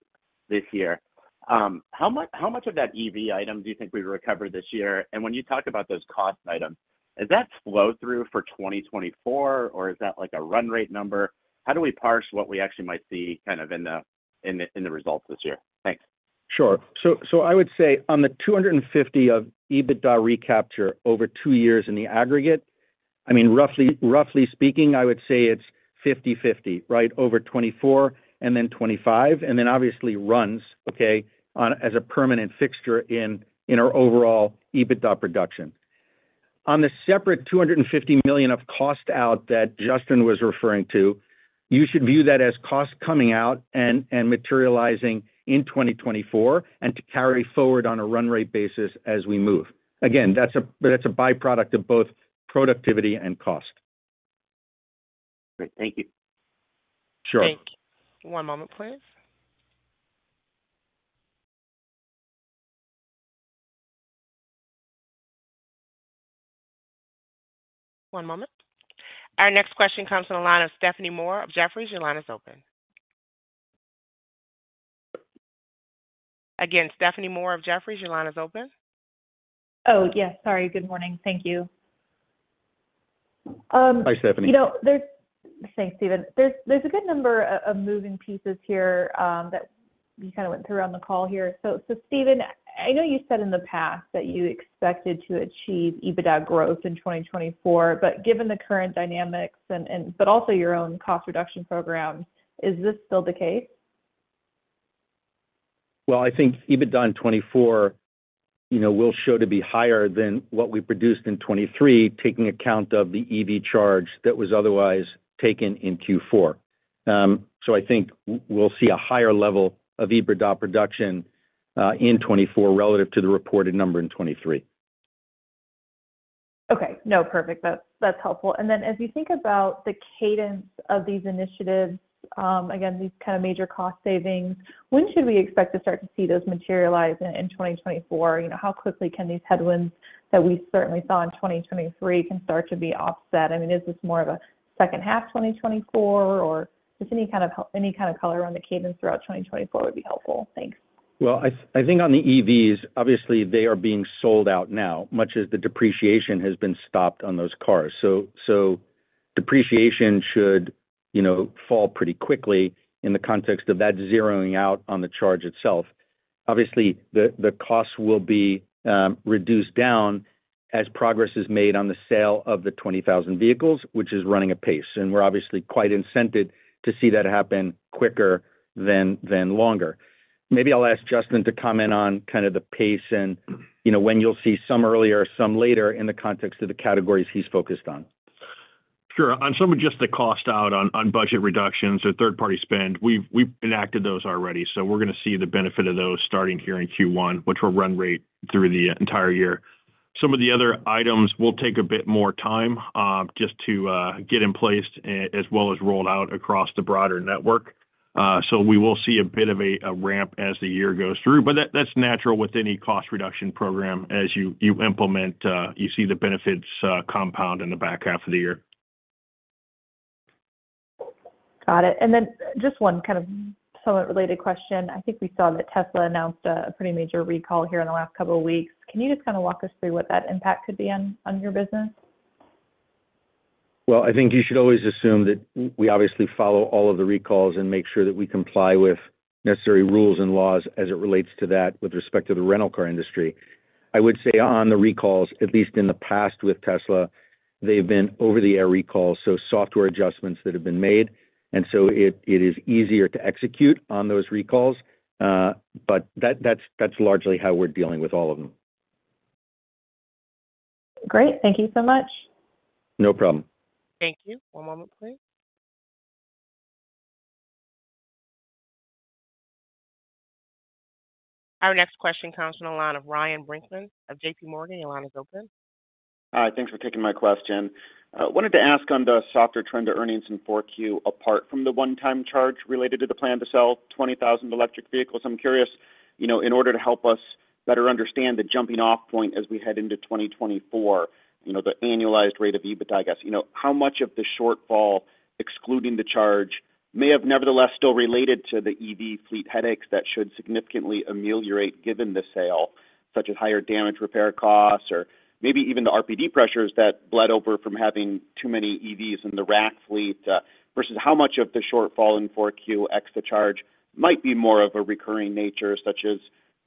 this year, how much, how much of that EV item do you think we've recovered this year? And when you talk about those cost items, is that flow-through for 2024, or is that like a run rate number? How do we parse what we actually might see kind of in the, in the, in the results this year? Thanks. Sure. So I would say on the $250 million of EBITDA recapture over 2 years in the aggregate, I mean, roughly, roughly speaking, I would say it's 50/50, right? Over 2024 and then 2025, and then obviously runs, okay, on as a permanent fixture in our overall EBITDA production. On the separate $250 million of cost out that Justin was referring to, you should view that as cost coming out and materializing in 2024, and to carry forward on a run rate basis as we move. Again, that's a byproduct of both productivity and cost. Great. Thank you. Sure. Thank you. One moment, please. One moment. Our next question comes from the line of Stephanie Moore of Jefferies. Your line is open. Again, Stephanie Moore of Jefferies, your line is open. Oh, yes, sorry. Good morning. Thank you. Hi, Stephanie. You know, there's... Thanks, Stephen. There's a good number of moving pieces here that you kind of went through on the call here. So, Stephen, I know you said in the past that you expected to achieve EBITDA growth in 2024, but given the current dynamics and but also your own cost reduction program, is this still the case? Well, I think EBITDA in 2024, you know, will show to be higher than what we produced in 2023, taking account of the EV charge that was otherwise taken in Q4. So I think we'll see a higher level of EBITDA production in 2024 relative to the reported number in 2023. Okay. No, perfect. That's, that's helpful. And then as you think about the cadence of these initiatives, again, these kind of major cost savings, when should we expect to start to see those materialize in, in 2024? You know, how quickly can these headwinds that we certainly saw in 2023 can start to be offset? I mean, is this more of a second half 2024, or just any kind of color around the cadence throughout 2024 would be helpful. Thanks. Well, I, I think on the EVs, obviously they are being sold out now, much as the depreciation has been stopped on those cars. So, so depreciation should, you know, fall pretty quickly in the context of that zeroing out on the charge itself. Obviously, the, the costs will be reduced down as progress is made on the sale of the 20,000 vehicles, which is running a pace, and we're obviously quite incented to see that happen quicker than, than longer. Maybe I'll ask Justin to comment on kind of the pace and, you know, when you'll see some earlier, some later in the context of the categories he's focused on. Sure. On some of just the cost out on budget reductions or third-party spend, we've enacted those already. So we're going to see the benefit of those starting here in Q1, which will run rate through the entire year. Some of the other items will take a bit more time, just to get in place, as well as rolled out across the broader network. So we will see a bit of a ramp as the year goes through. But that's natural with any cost reduction program. As you implement, you see the benefits compound in the back half of the year. Got it. And then just one kind of somewhat related question. I think we saw that Tesla announced a, a pretty major recall here in the last couple of weeks. Can you just kind of walk us through what that impact could be on, on your business? Well, I think you should always assume that we obviously follow all of the recalls and make sure that we comply with necessary rules and laws as it relates to that with respect to the rental car industry. I would say on the recalls, at least in the past with Tesla, they've been over the air recalls, so software adjustments that have been made, and so it is easier to execute on those recalls, but that's largely how we're dealing with all of them. Great. Thank you so much. No problem. Thank you. One moment, please. Our next question comes from the line of Ryan Brinkman of J.P. Morgan. Your line is open. Hi, thanks for taking my question. Wanted to ask on the softer trend of earnings in 4Q, apart from the one-time charge related to the plan to sell 20,000 electric vehicles. I'm curious, you know, in order to help us better understand the jumping off point as we head into 2024, you know, the annualized rate of EBITDA, I guess. You know, how much of the shortfall, excluding the charge, may have nevertheless still related to the EV fleet headaches that should significantly ameliorate given the sale, such as higher damage repair costs or maybe even the RPD pressures that bled over from having too many EVs in the rack fleet, versus how much of the shortfall in 4Q ex the charge might be more of a recurring nature, such as,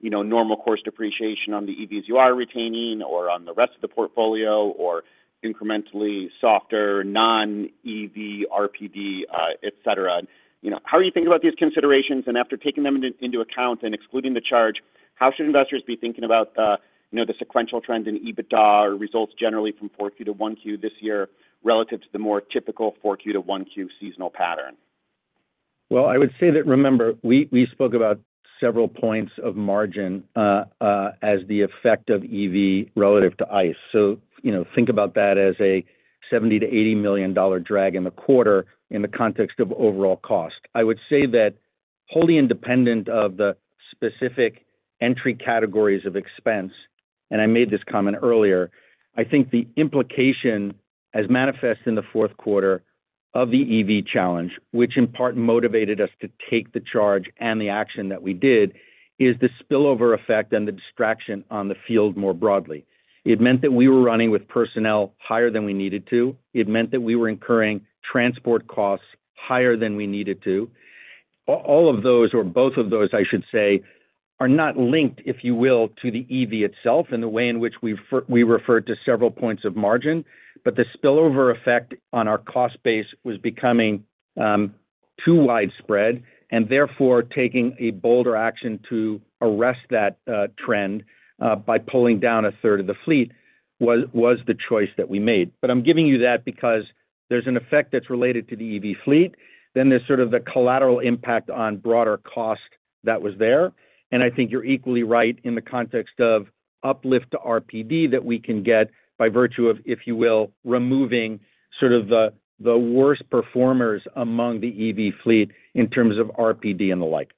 you know, normal course depreciation on the EVs you are retaining or on the rest of the portfolio, or incrementally softer non-EV RPD, et cetera? You know, how are you thinking about these considerations? After taking them into account and excluding the charge, how should investors be thinking about the, you know, the sequential trend in EBITDA or results generally from 4Q to 1Q this year, relative to the more typical 4Q to 1Q seasonal pattern? Well, I would say that, remember, we spoke about several points of margin as the effect of EV relative to ICE. So, you know, think about that as a $70 million-$80 million dollar drag in the quarter in the context of overall cost. I would say that wholly independent of the specific entry categories of expense, and I made this comment earlier, I think the implication as manifest in the fourth quarter of the EV challenge, which in part motivated us to take the charge and the action that we did, is the spillover effect and the distraction on the field more broadly. It meant that we were running with personnel higher than we needed to. It meant that we were incurring transport costs higher than we needed to. All of those, or both of those, I should say, are not linked, if you will, to the EV itself in the way in which we've referred to several points of margin, but the spillover effect on our cost base was becoming too widespread, and therefore taking a bolder action to arrest that trend by pulling down a third of the fleet was the choice that we made. But I'm giving you that because there's an effect that's related to the EV fleet, then there's sort of the collateral impact on broader cost that was there. And I think you're equally right in the context of uplift to RPD that we can get by virtue of, if you will, removing sort of the worst performers among the EV fleet in terms of RPD and the like.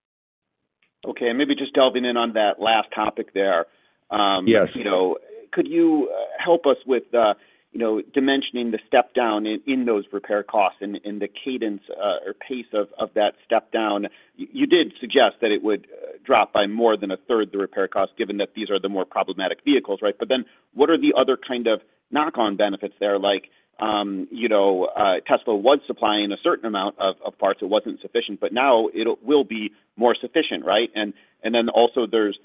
Okay, and maybe just delving in on that last topic there, Yes. You know, could you help us with the, you know, dimensioning the step down in those repair costs and the cadence or pace of that step down? You did suggest that it would drop by more than a third, the repair cost, given that these are the more problematic vehicles, right? But then what are the other kind of knock-on benefits there? Like, you know, Tesla was supplying a certain amount of parts that wasn't sufficient, but now it will be more sufficient, right? And then also there's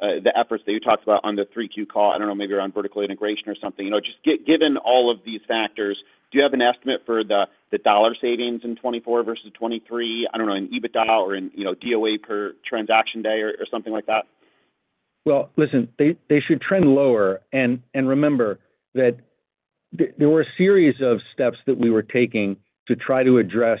the efforts that you talked about on the 3Q call, I don't know, maybe around vertical integration or something. You know, just given all of these factors, do you have an estimate for the dollar savings in 2024 versus 2023? I don't know, in EBITDA or in, you know, DOE per transaction day or, or something like that. Well, listen, they should trend lower. And remember that there were a series of steps that we were taking to try to address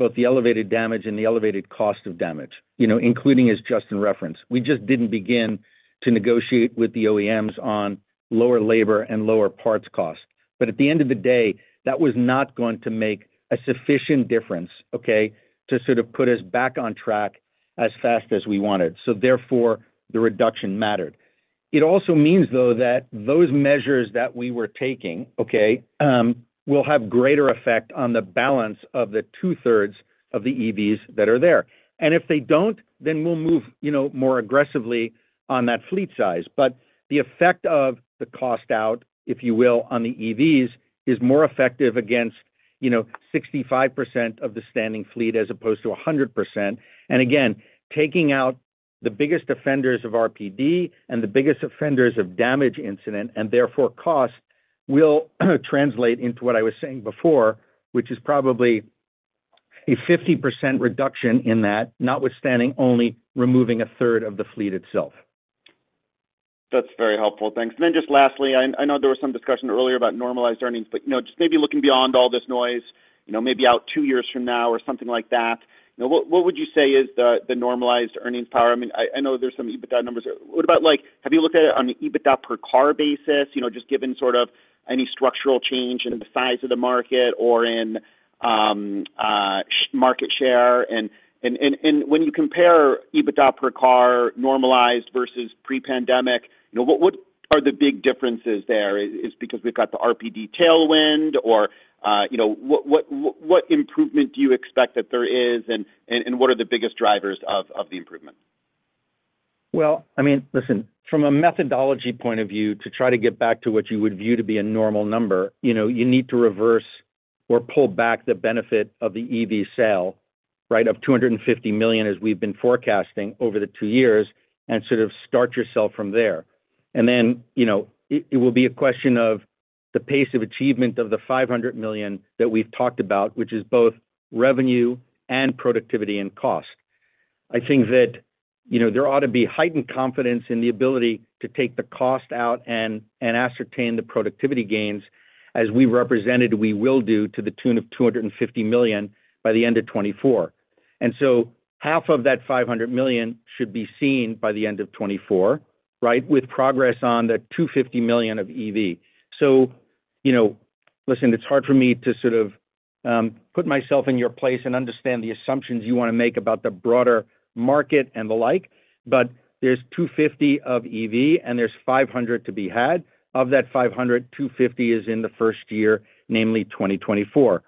both the elevated damage and the elevated cost of damage, you know, including as Justin referenced. We just didn't begin to negotiate with the OEMs on lower labor and lower parts costs. But at the end of the day, that was not going to make a sufficient difference, okay, to sort of put us back on track as fast as we wanted. So therefore, the reduction mattered. It also means, though, that those measures that we were taking, okay, will have greater effect on the balance of the two-thirds of the EVs that are there. And if they don't, then we'll move, you know, more aggressively on that fleet size. But the effect of the cost out, if you will, on the EVs, is more effective against, you know, 65% of the standing fleet as opposed to 100%. And again, taking out the biggest offenders of RPD and the biggest offenders of damage incident, and therefore costs, will translate into what I was saying before, which is probably a 50% reduction in that, notwithstanding only removing a third of the fleet itself. That's very helpful. Thanks. And then just lastly, I know there was some discussion earlier about normalized earnings, but, you know, just maybe looking beyond all this noise, you know, maybe out two years from now or something like that, you know, what would you say is the normalized earnings power? I mean, I know there's some EBITDA numbers. What about, like, have you looked at it on the EBITDA per car basis? You know, just given sort of any structural change in the size of the market or in market share. And when you compare EBITDA per car normalized versus pre-pandemic, you know, what are the big differences there? Is because we've got the RPD tailwind or, you know, what improvement do you expect that there is, and what are the biggest drivers of the improvement? Well, I mean, listen, from a methodology point of view, to try to get back to what you would view to be a normal number, you know, you need to reverse or pull back the benefit of the EV sale, right? Of $250 million, as we've been forecasting over the two years, and sort of start yourself from there. And then, you know, it, it will be a question of the pace of achievement of the $500 million that we've talked about, which is both revenue and productivity and cost. I think that, you know, there ought to be heightened confidence in the ability to take the cost out and, and ascertain the productivity gains as we represented we will do, to the tune of $250 million by the end of 2024. And so half of that $500 million should be seen by the end of 2024, right, with progress on the $250 million of EV. So, you know, listen, it's hard for me to sort of put myself in your place and understand the assumptions you wanna make about the broader market and the like, but there's $250 million of EV, and there's $500 million to be had. Of that $500 million, $250 million is in the first year, namely 2024.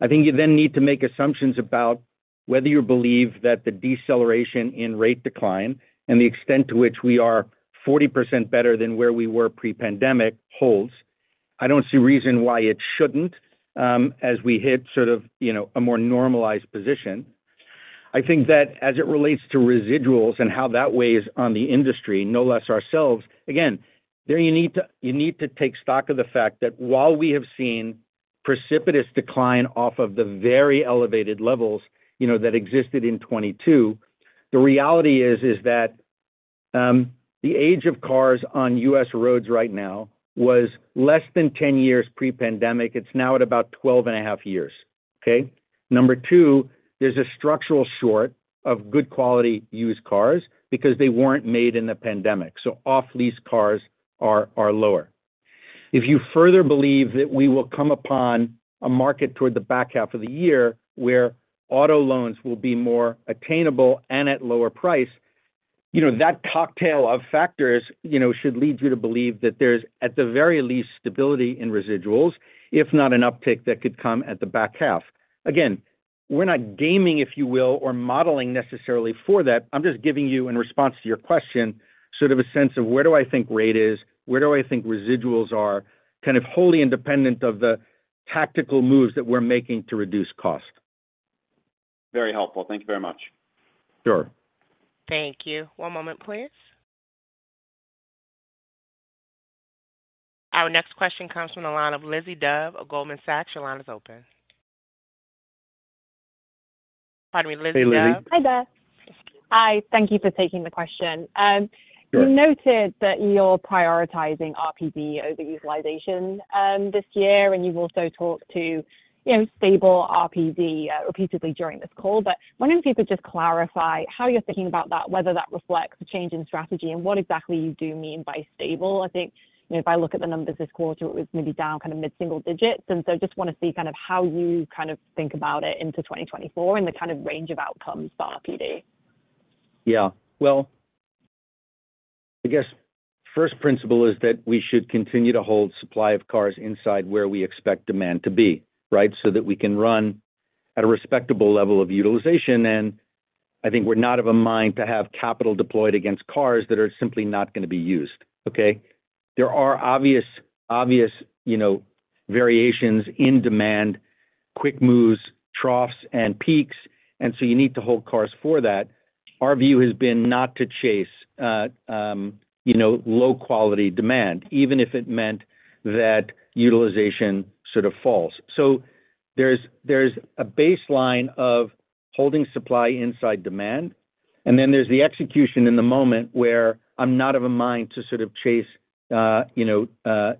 I think you then need to make assumptions about whether you believe that the deceleration in rate decline and the extent to which we are 40% better than where we were pre-pandemic holds. I don't see reason why it shouldn't, as we hit sort of, you know, a more normalized position. I think that as it relates to residuals and how that weighs on the industry, no less ourselves, again, you need to take stock of the fact that while we have seen precipitous decline off of the very elevated levels, you know, that existed in 2022, the reality is, is that, the age of cars on U.S. roads right now was less than 10 years pre-pandemic. It's now at about 12.5 years, okay? Number two, there's a structural short of good quality used cars because they weren't made in the pandemic, so off lease cars are, are lower. If you further believe that we will come upon a market toward the back half of the year, where auto loans will be more attainable and at lower price, you know, that cocktail of factors, you know, should lead you to believe that there's, at the very least, stability in residuals, if not an uptick that could come at the back half. Again, we're not gaming, if you will, or modeling necessarily for that. I'm just giving you, in response to your question, sort of a sense of where do I think rate is, where do I think residuals are, kind of wholly independent of the tactical moves that we're making to reduce costs. Very helpful. Thank you very much. Sure. Thank you. One moment, please. Our next question comes from the line of Lizzie Dove of Goldman Sachs. Your line is open. Pardon me, Lizzie Dove. Hi there. Hi, thank you for taking the question. You noted that you're prioritizing RPD over utilization, this year, and you've also talked to, you know, stable RPD, repeatedly during this call. Wondering if you could just clarify how you're thinking about that, whether that reflects a change in strategy, and what exactly you do mean by stable? I think, you know, if I look at the numbers this quarter, it was maybe down kind of mid-single digits. Just wanna see kind of how you kind of think about it into 2024 and the kind of range of outcomes for RPD. Yeah. Well, I guess first principle is that we should continue to hold supply of cars inside where we expect demand to be, right? So that we can run at a respectable level of utilization. And I think we're not of a mind to have capital deployed against cars that are simply not gonna be used, okay? There are obvious, obvious, you know, variations in demand, quick moves, troughs and peaks, and so you need to hold cars for that. Our view has been not to chase you know, low-quality demand, even if it meant that utilization sort of falls. So there's, there's a baseline of holding supply inside demand, and then there's the execution in the moment where I'm not of a mind to sort of chase you know,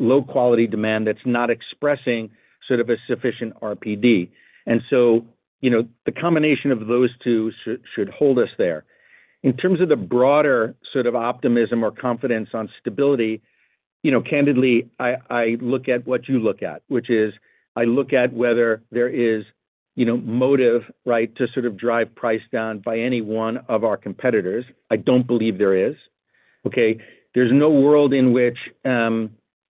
low-quality demand that's not expressing sort of a sufficient RPD. And so, you know, the combination of those two should hold us there. In terms of the broader sort of optimism or confidence on stability, you know, candidly, I look at what you look at, which is, I look at whether there is, you know, motive, right, to sort of drive price down by any one of our competitors. I don't believe there is, okay? There's no world in which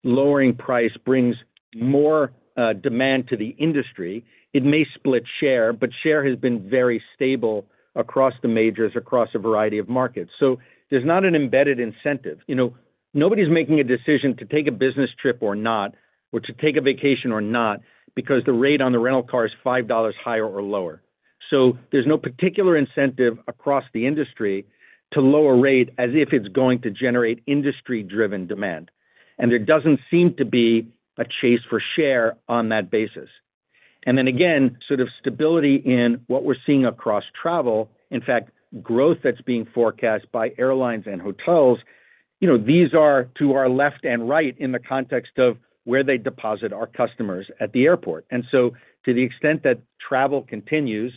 lowering price brings more demand to the industry. It may split share, but share has been very stable across the majors, across a variety of markets. So there's not an embedded incentive. You know, nobody's making a decision to take a business trip or not, or to take a vacation or not, because the rate on the rental car is $5 higher or lower. So there's no particular incentive across the industry to lower rate as if it's going to generate industry-driven demand. And there doesn't seem to be a chase for share on that basis. And then again, sort of stability in what we're seeing across travel, in fact, growth that's being forecast by airlines and hotels, you know, these are to our left and right in the context of where they deposit our customers at the airport. And so to the extent that travel continues,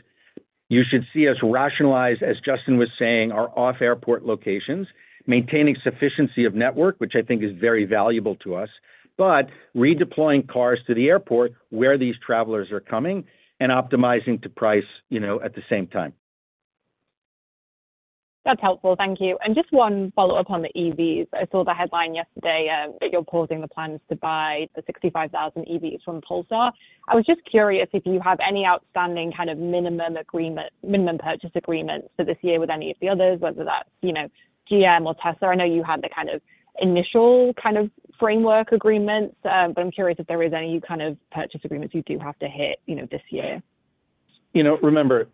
you should see us rationalize, as Justin was saying, our off-airport locations, maintaining sufficiency of network, which I think is very valuable to us, but redeploying cars to the airport where these travelers are coming and optimizing to price, you know, at the same time. That's helpful. Thank you. Just one follow-up on the EVs. I saw the headline yesterday that you're pausing the plans to buy the 65,000 EVs from Polestar. I was just curious if you have any outstanding kind of minimum purchase agreements for this year with any of the others, whether that's, you know, GM or Tesla. I know you had the kind of initial kind of framework agreements, but I'm curious if there is any kind of purchase agreements you do have to hit, you know, this year. You know, remember,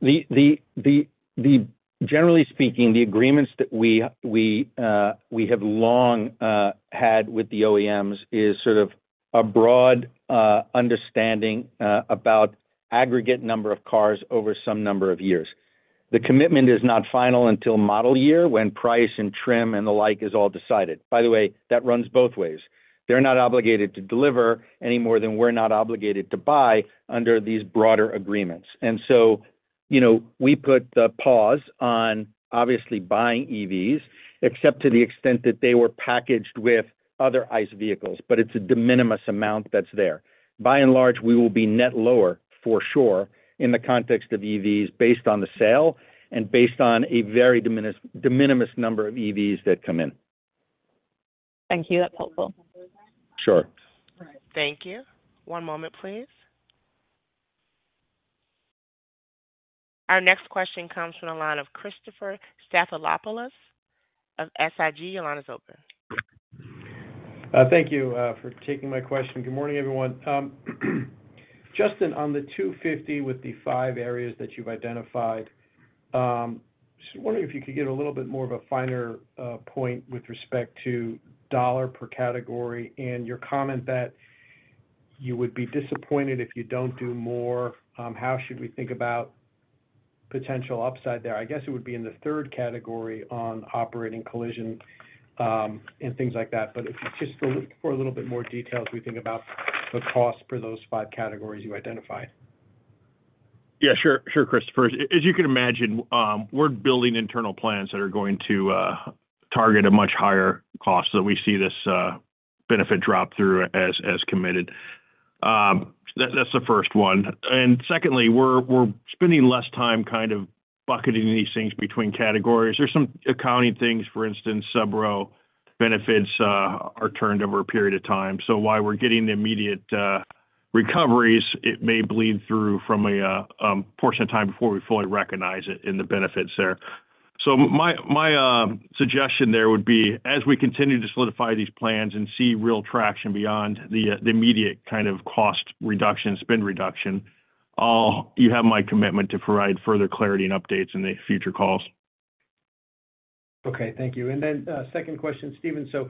generally speaking, the agreements that we have long had with the OEMs is sort of a broad understanding about aggregate number of cars over some number of years. The commitment is not final until model year, when price and trim and the like is all decided. By the way, that runs both ways. They're not obligated to deliver any more than we're not obligated to buy under these broader agreements. And so, you know, we put the pause on, obviously, buying EVs, except to the extent that they were packaged with other ICE vehicles, but it's a de minimis amount that's there. By and large, we will be net lower, for sure, in the context of EVs, based on the sale and based on a very de minimis number of EVs that come in. Thank you. That's helpful. Sure. Thank you. One moment, please. Our next question comes from the line of Christopher Stathoulopoulos of SIG. Your line is open. Thank you for taking my question. Good morning, everyone. Justin, on the $250 with the 5 areas that you've identified, just wondering if you could give a little bit more of a finer point with respect to dollar per category and your comment that you would be disappointed if you don't do more. How should we think about potential upside there? I guess it would be in the third category on operating collision and things like that. But if you just go for a little bit more details, we think about the cost for those five categories you identified.... Yeah, sure, sure, Christopher. As you can imagine, we're building internal plans that are going to target a much higher cost, so we see this benefit drop through as committed. That's the first one. And secondly, we're spending less time kind of bucketing these things between categories. There's some accounting things. For instance, subrogation benefits are turned over a period of time. So while we're getting the immediate recoveries, it may bleed through from a portion of time before we fully recognize it in the benefits there. So my suggestion there would be, as we continue to solidify these plans and see real traction beyond the immediate kind of cost reduction, spend reduction, you have my commitment to provide further clarity and updates in the future calls. Okay, thank you. And then, second question, Stephen. So,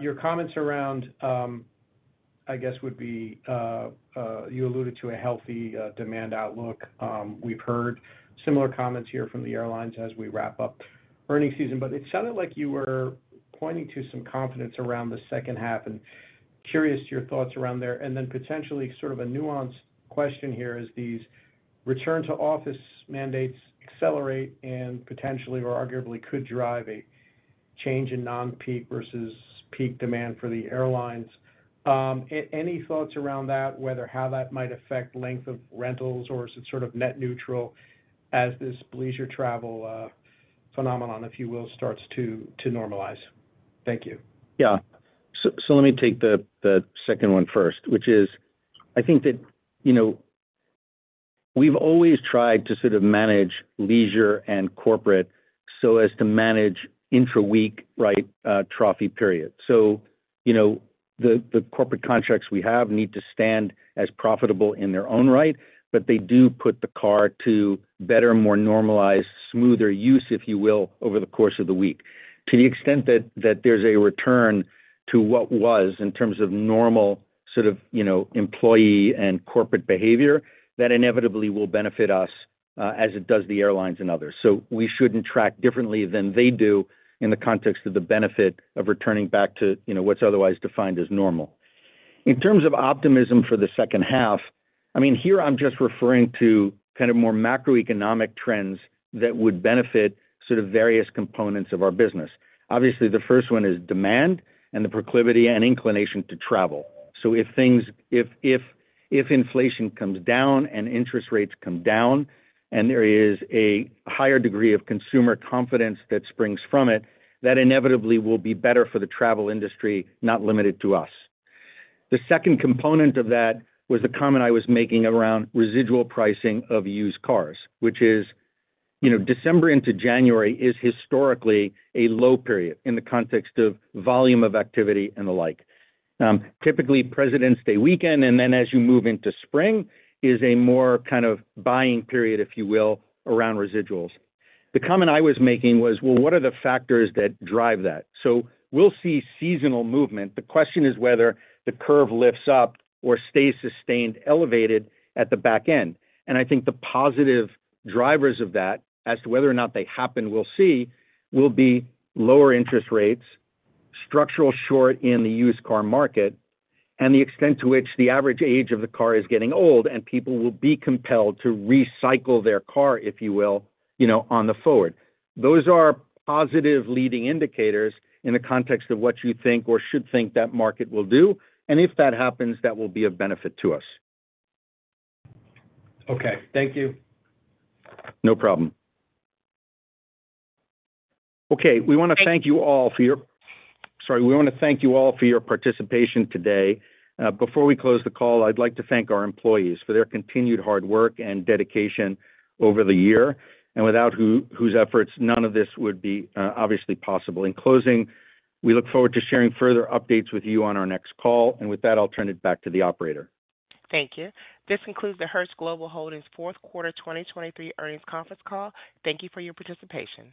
your comments around, I guess, would be, you alluded to a healthy, demand outlook. We've heard similar comments here from the airlines as we wrap up earnings season, but it sounded like you were pointing to some confidence around the second half, and curious to your thoughts around there. And then potentially, sort of a nuanced question here, as these return-to-office mandates accelerate and potentially or arguably could drive a change in non-peak versus peak demand for the airlines. Any thoughts around that, whether how that might affect length of rentals, or is it sort of net neutral as this leisure travel, phenomenon, if you will, starts to normalize? Thank you. Yeah. So let me take the second one first, which is, I think that, you know, we've always tried to sort of manage leisure and corporate so as to manage intraweek, right, troughy periods. So, you know, the corporate contracts we have need to stand as profitable in their own right, but they do put the car to better, more normalized, smoother use, if you will, over the course of the week. To the extent that there's a return to what was in terms of normal sort of, you know, employee and corporate behavior, that inevitably will benefit us, as it does the airlines and others. So we shouldn't track differently than they do in the context of the benefit of returning back to, you know, what's otherwise defined as normal. In terms of optimism for the second half, I mean, here I'm just referring to kind of more macroeconomic trends that would benefit sort of various components of our business. Obviously, the first one is demand and the proclivity and inclination to travel. So if things, inflation comes down and interest rates come down, and there is a higher degree of consumer confidence that springs from it, that inevitably will be better for the travel industry, not limited to us. The second component of that was the comment I was making around residual pricing of used cars, which is, you know, December into January is historically a low period in the context of volume of activity and the like. Typically, President's Day weekend, and then as you move into spring, is a more kind of buying period, if you will, around residuals. The comment I was making was, well, what are the factors that drive that? So we'll see seasonal movement. The question is whether the curve lifts up or stays sustained, elevated at the back end. And I think the positive drivers of that, as to whether or not they happen, we'll see, will be lower interest rates, structural short in the used car market, and the extent to which the average age of the car is getting old and people will be compelled to recycle their car, if you will, you know, on the forward. Those are positive leading indicators in the context of what you think or should think that market will do. And if that happens, that will be of benefit to us. Okay, thank you. No problem. Okay, we want to thank you all for your participation today. Before we close the call, I'd like to thank our employees for their continued hard work and dedication over the year, and without whose efforts, none of this would be obviously possible. In closing, we look forward to sharing further updates with you on our next call. With that, I'll turn it back to the operator. Thank you. This concludes the Hertz Global Holdings fourth quarter 2023 earnings conference call. Thank you for your participation.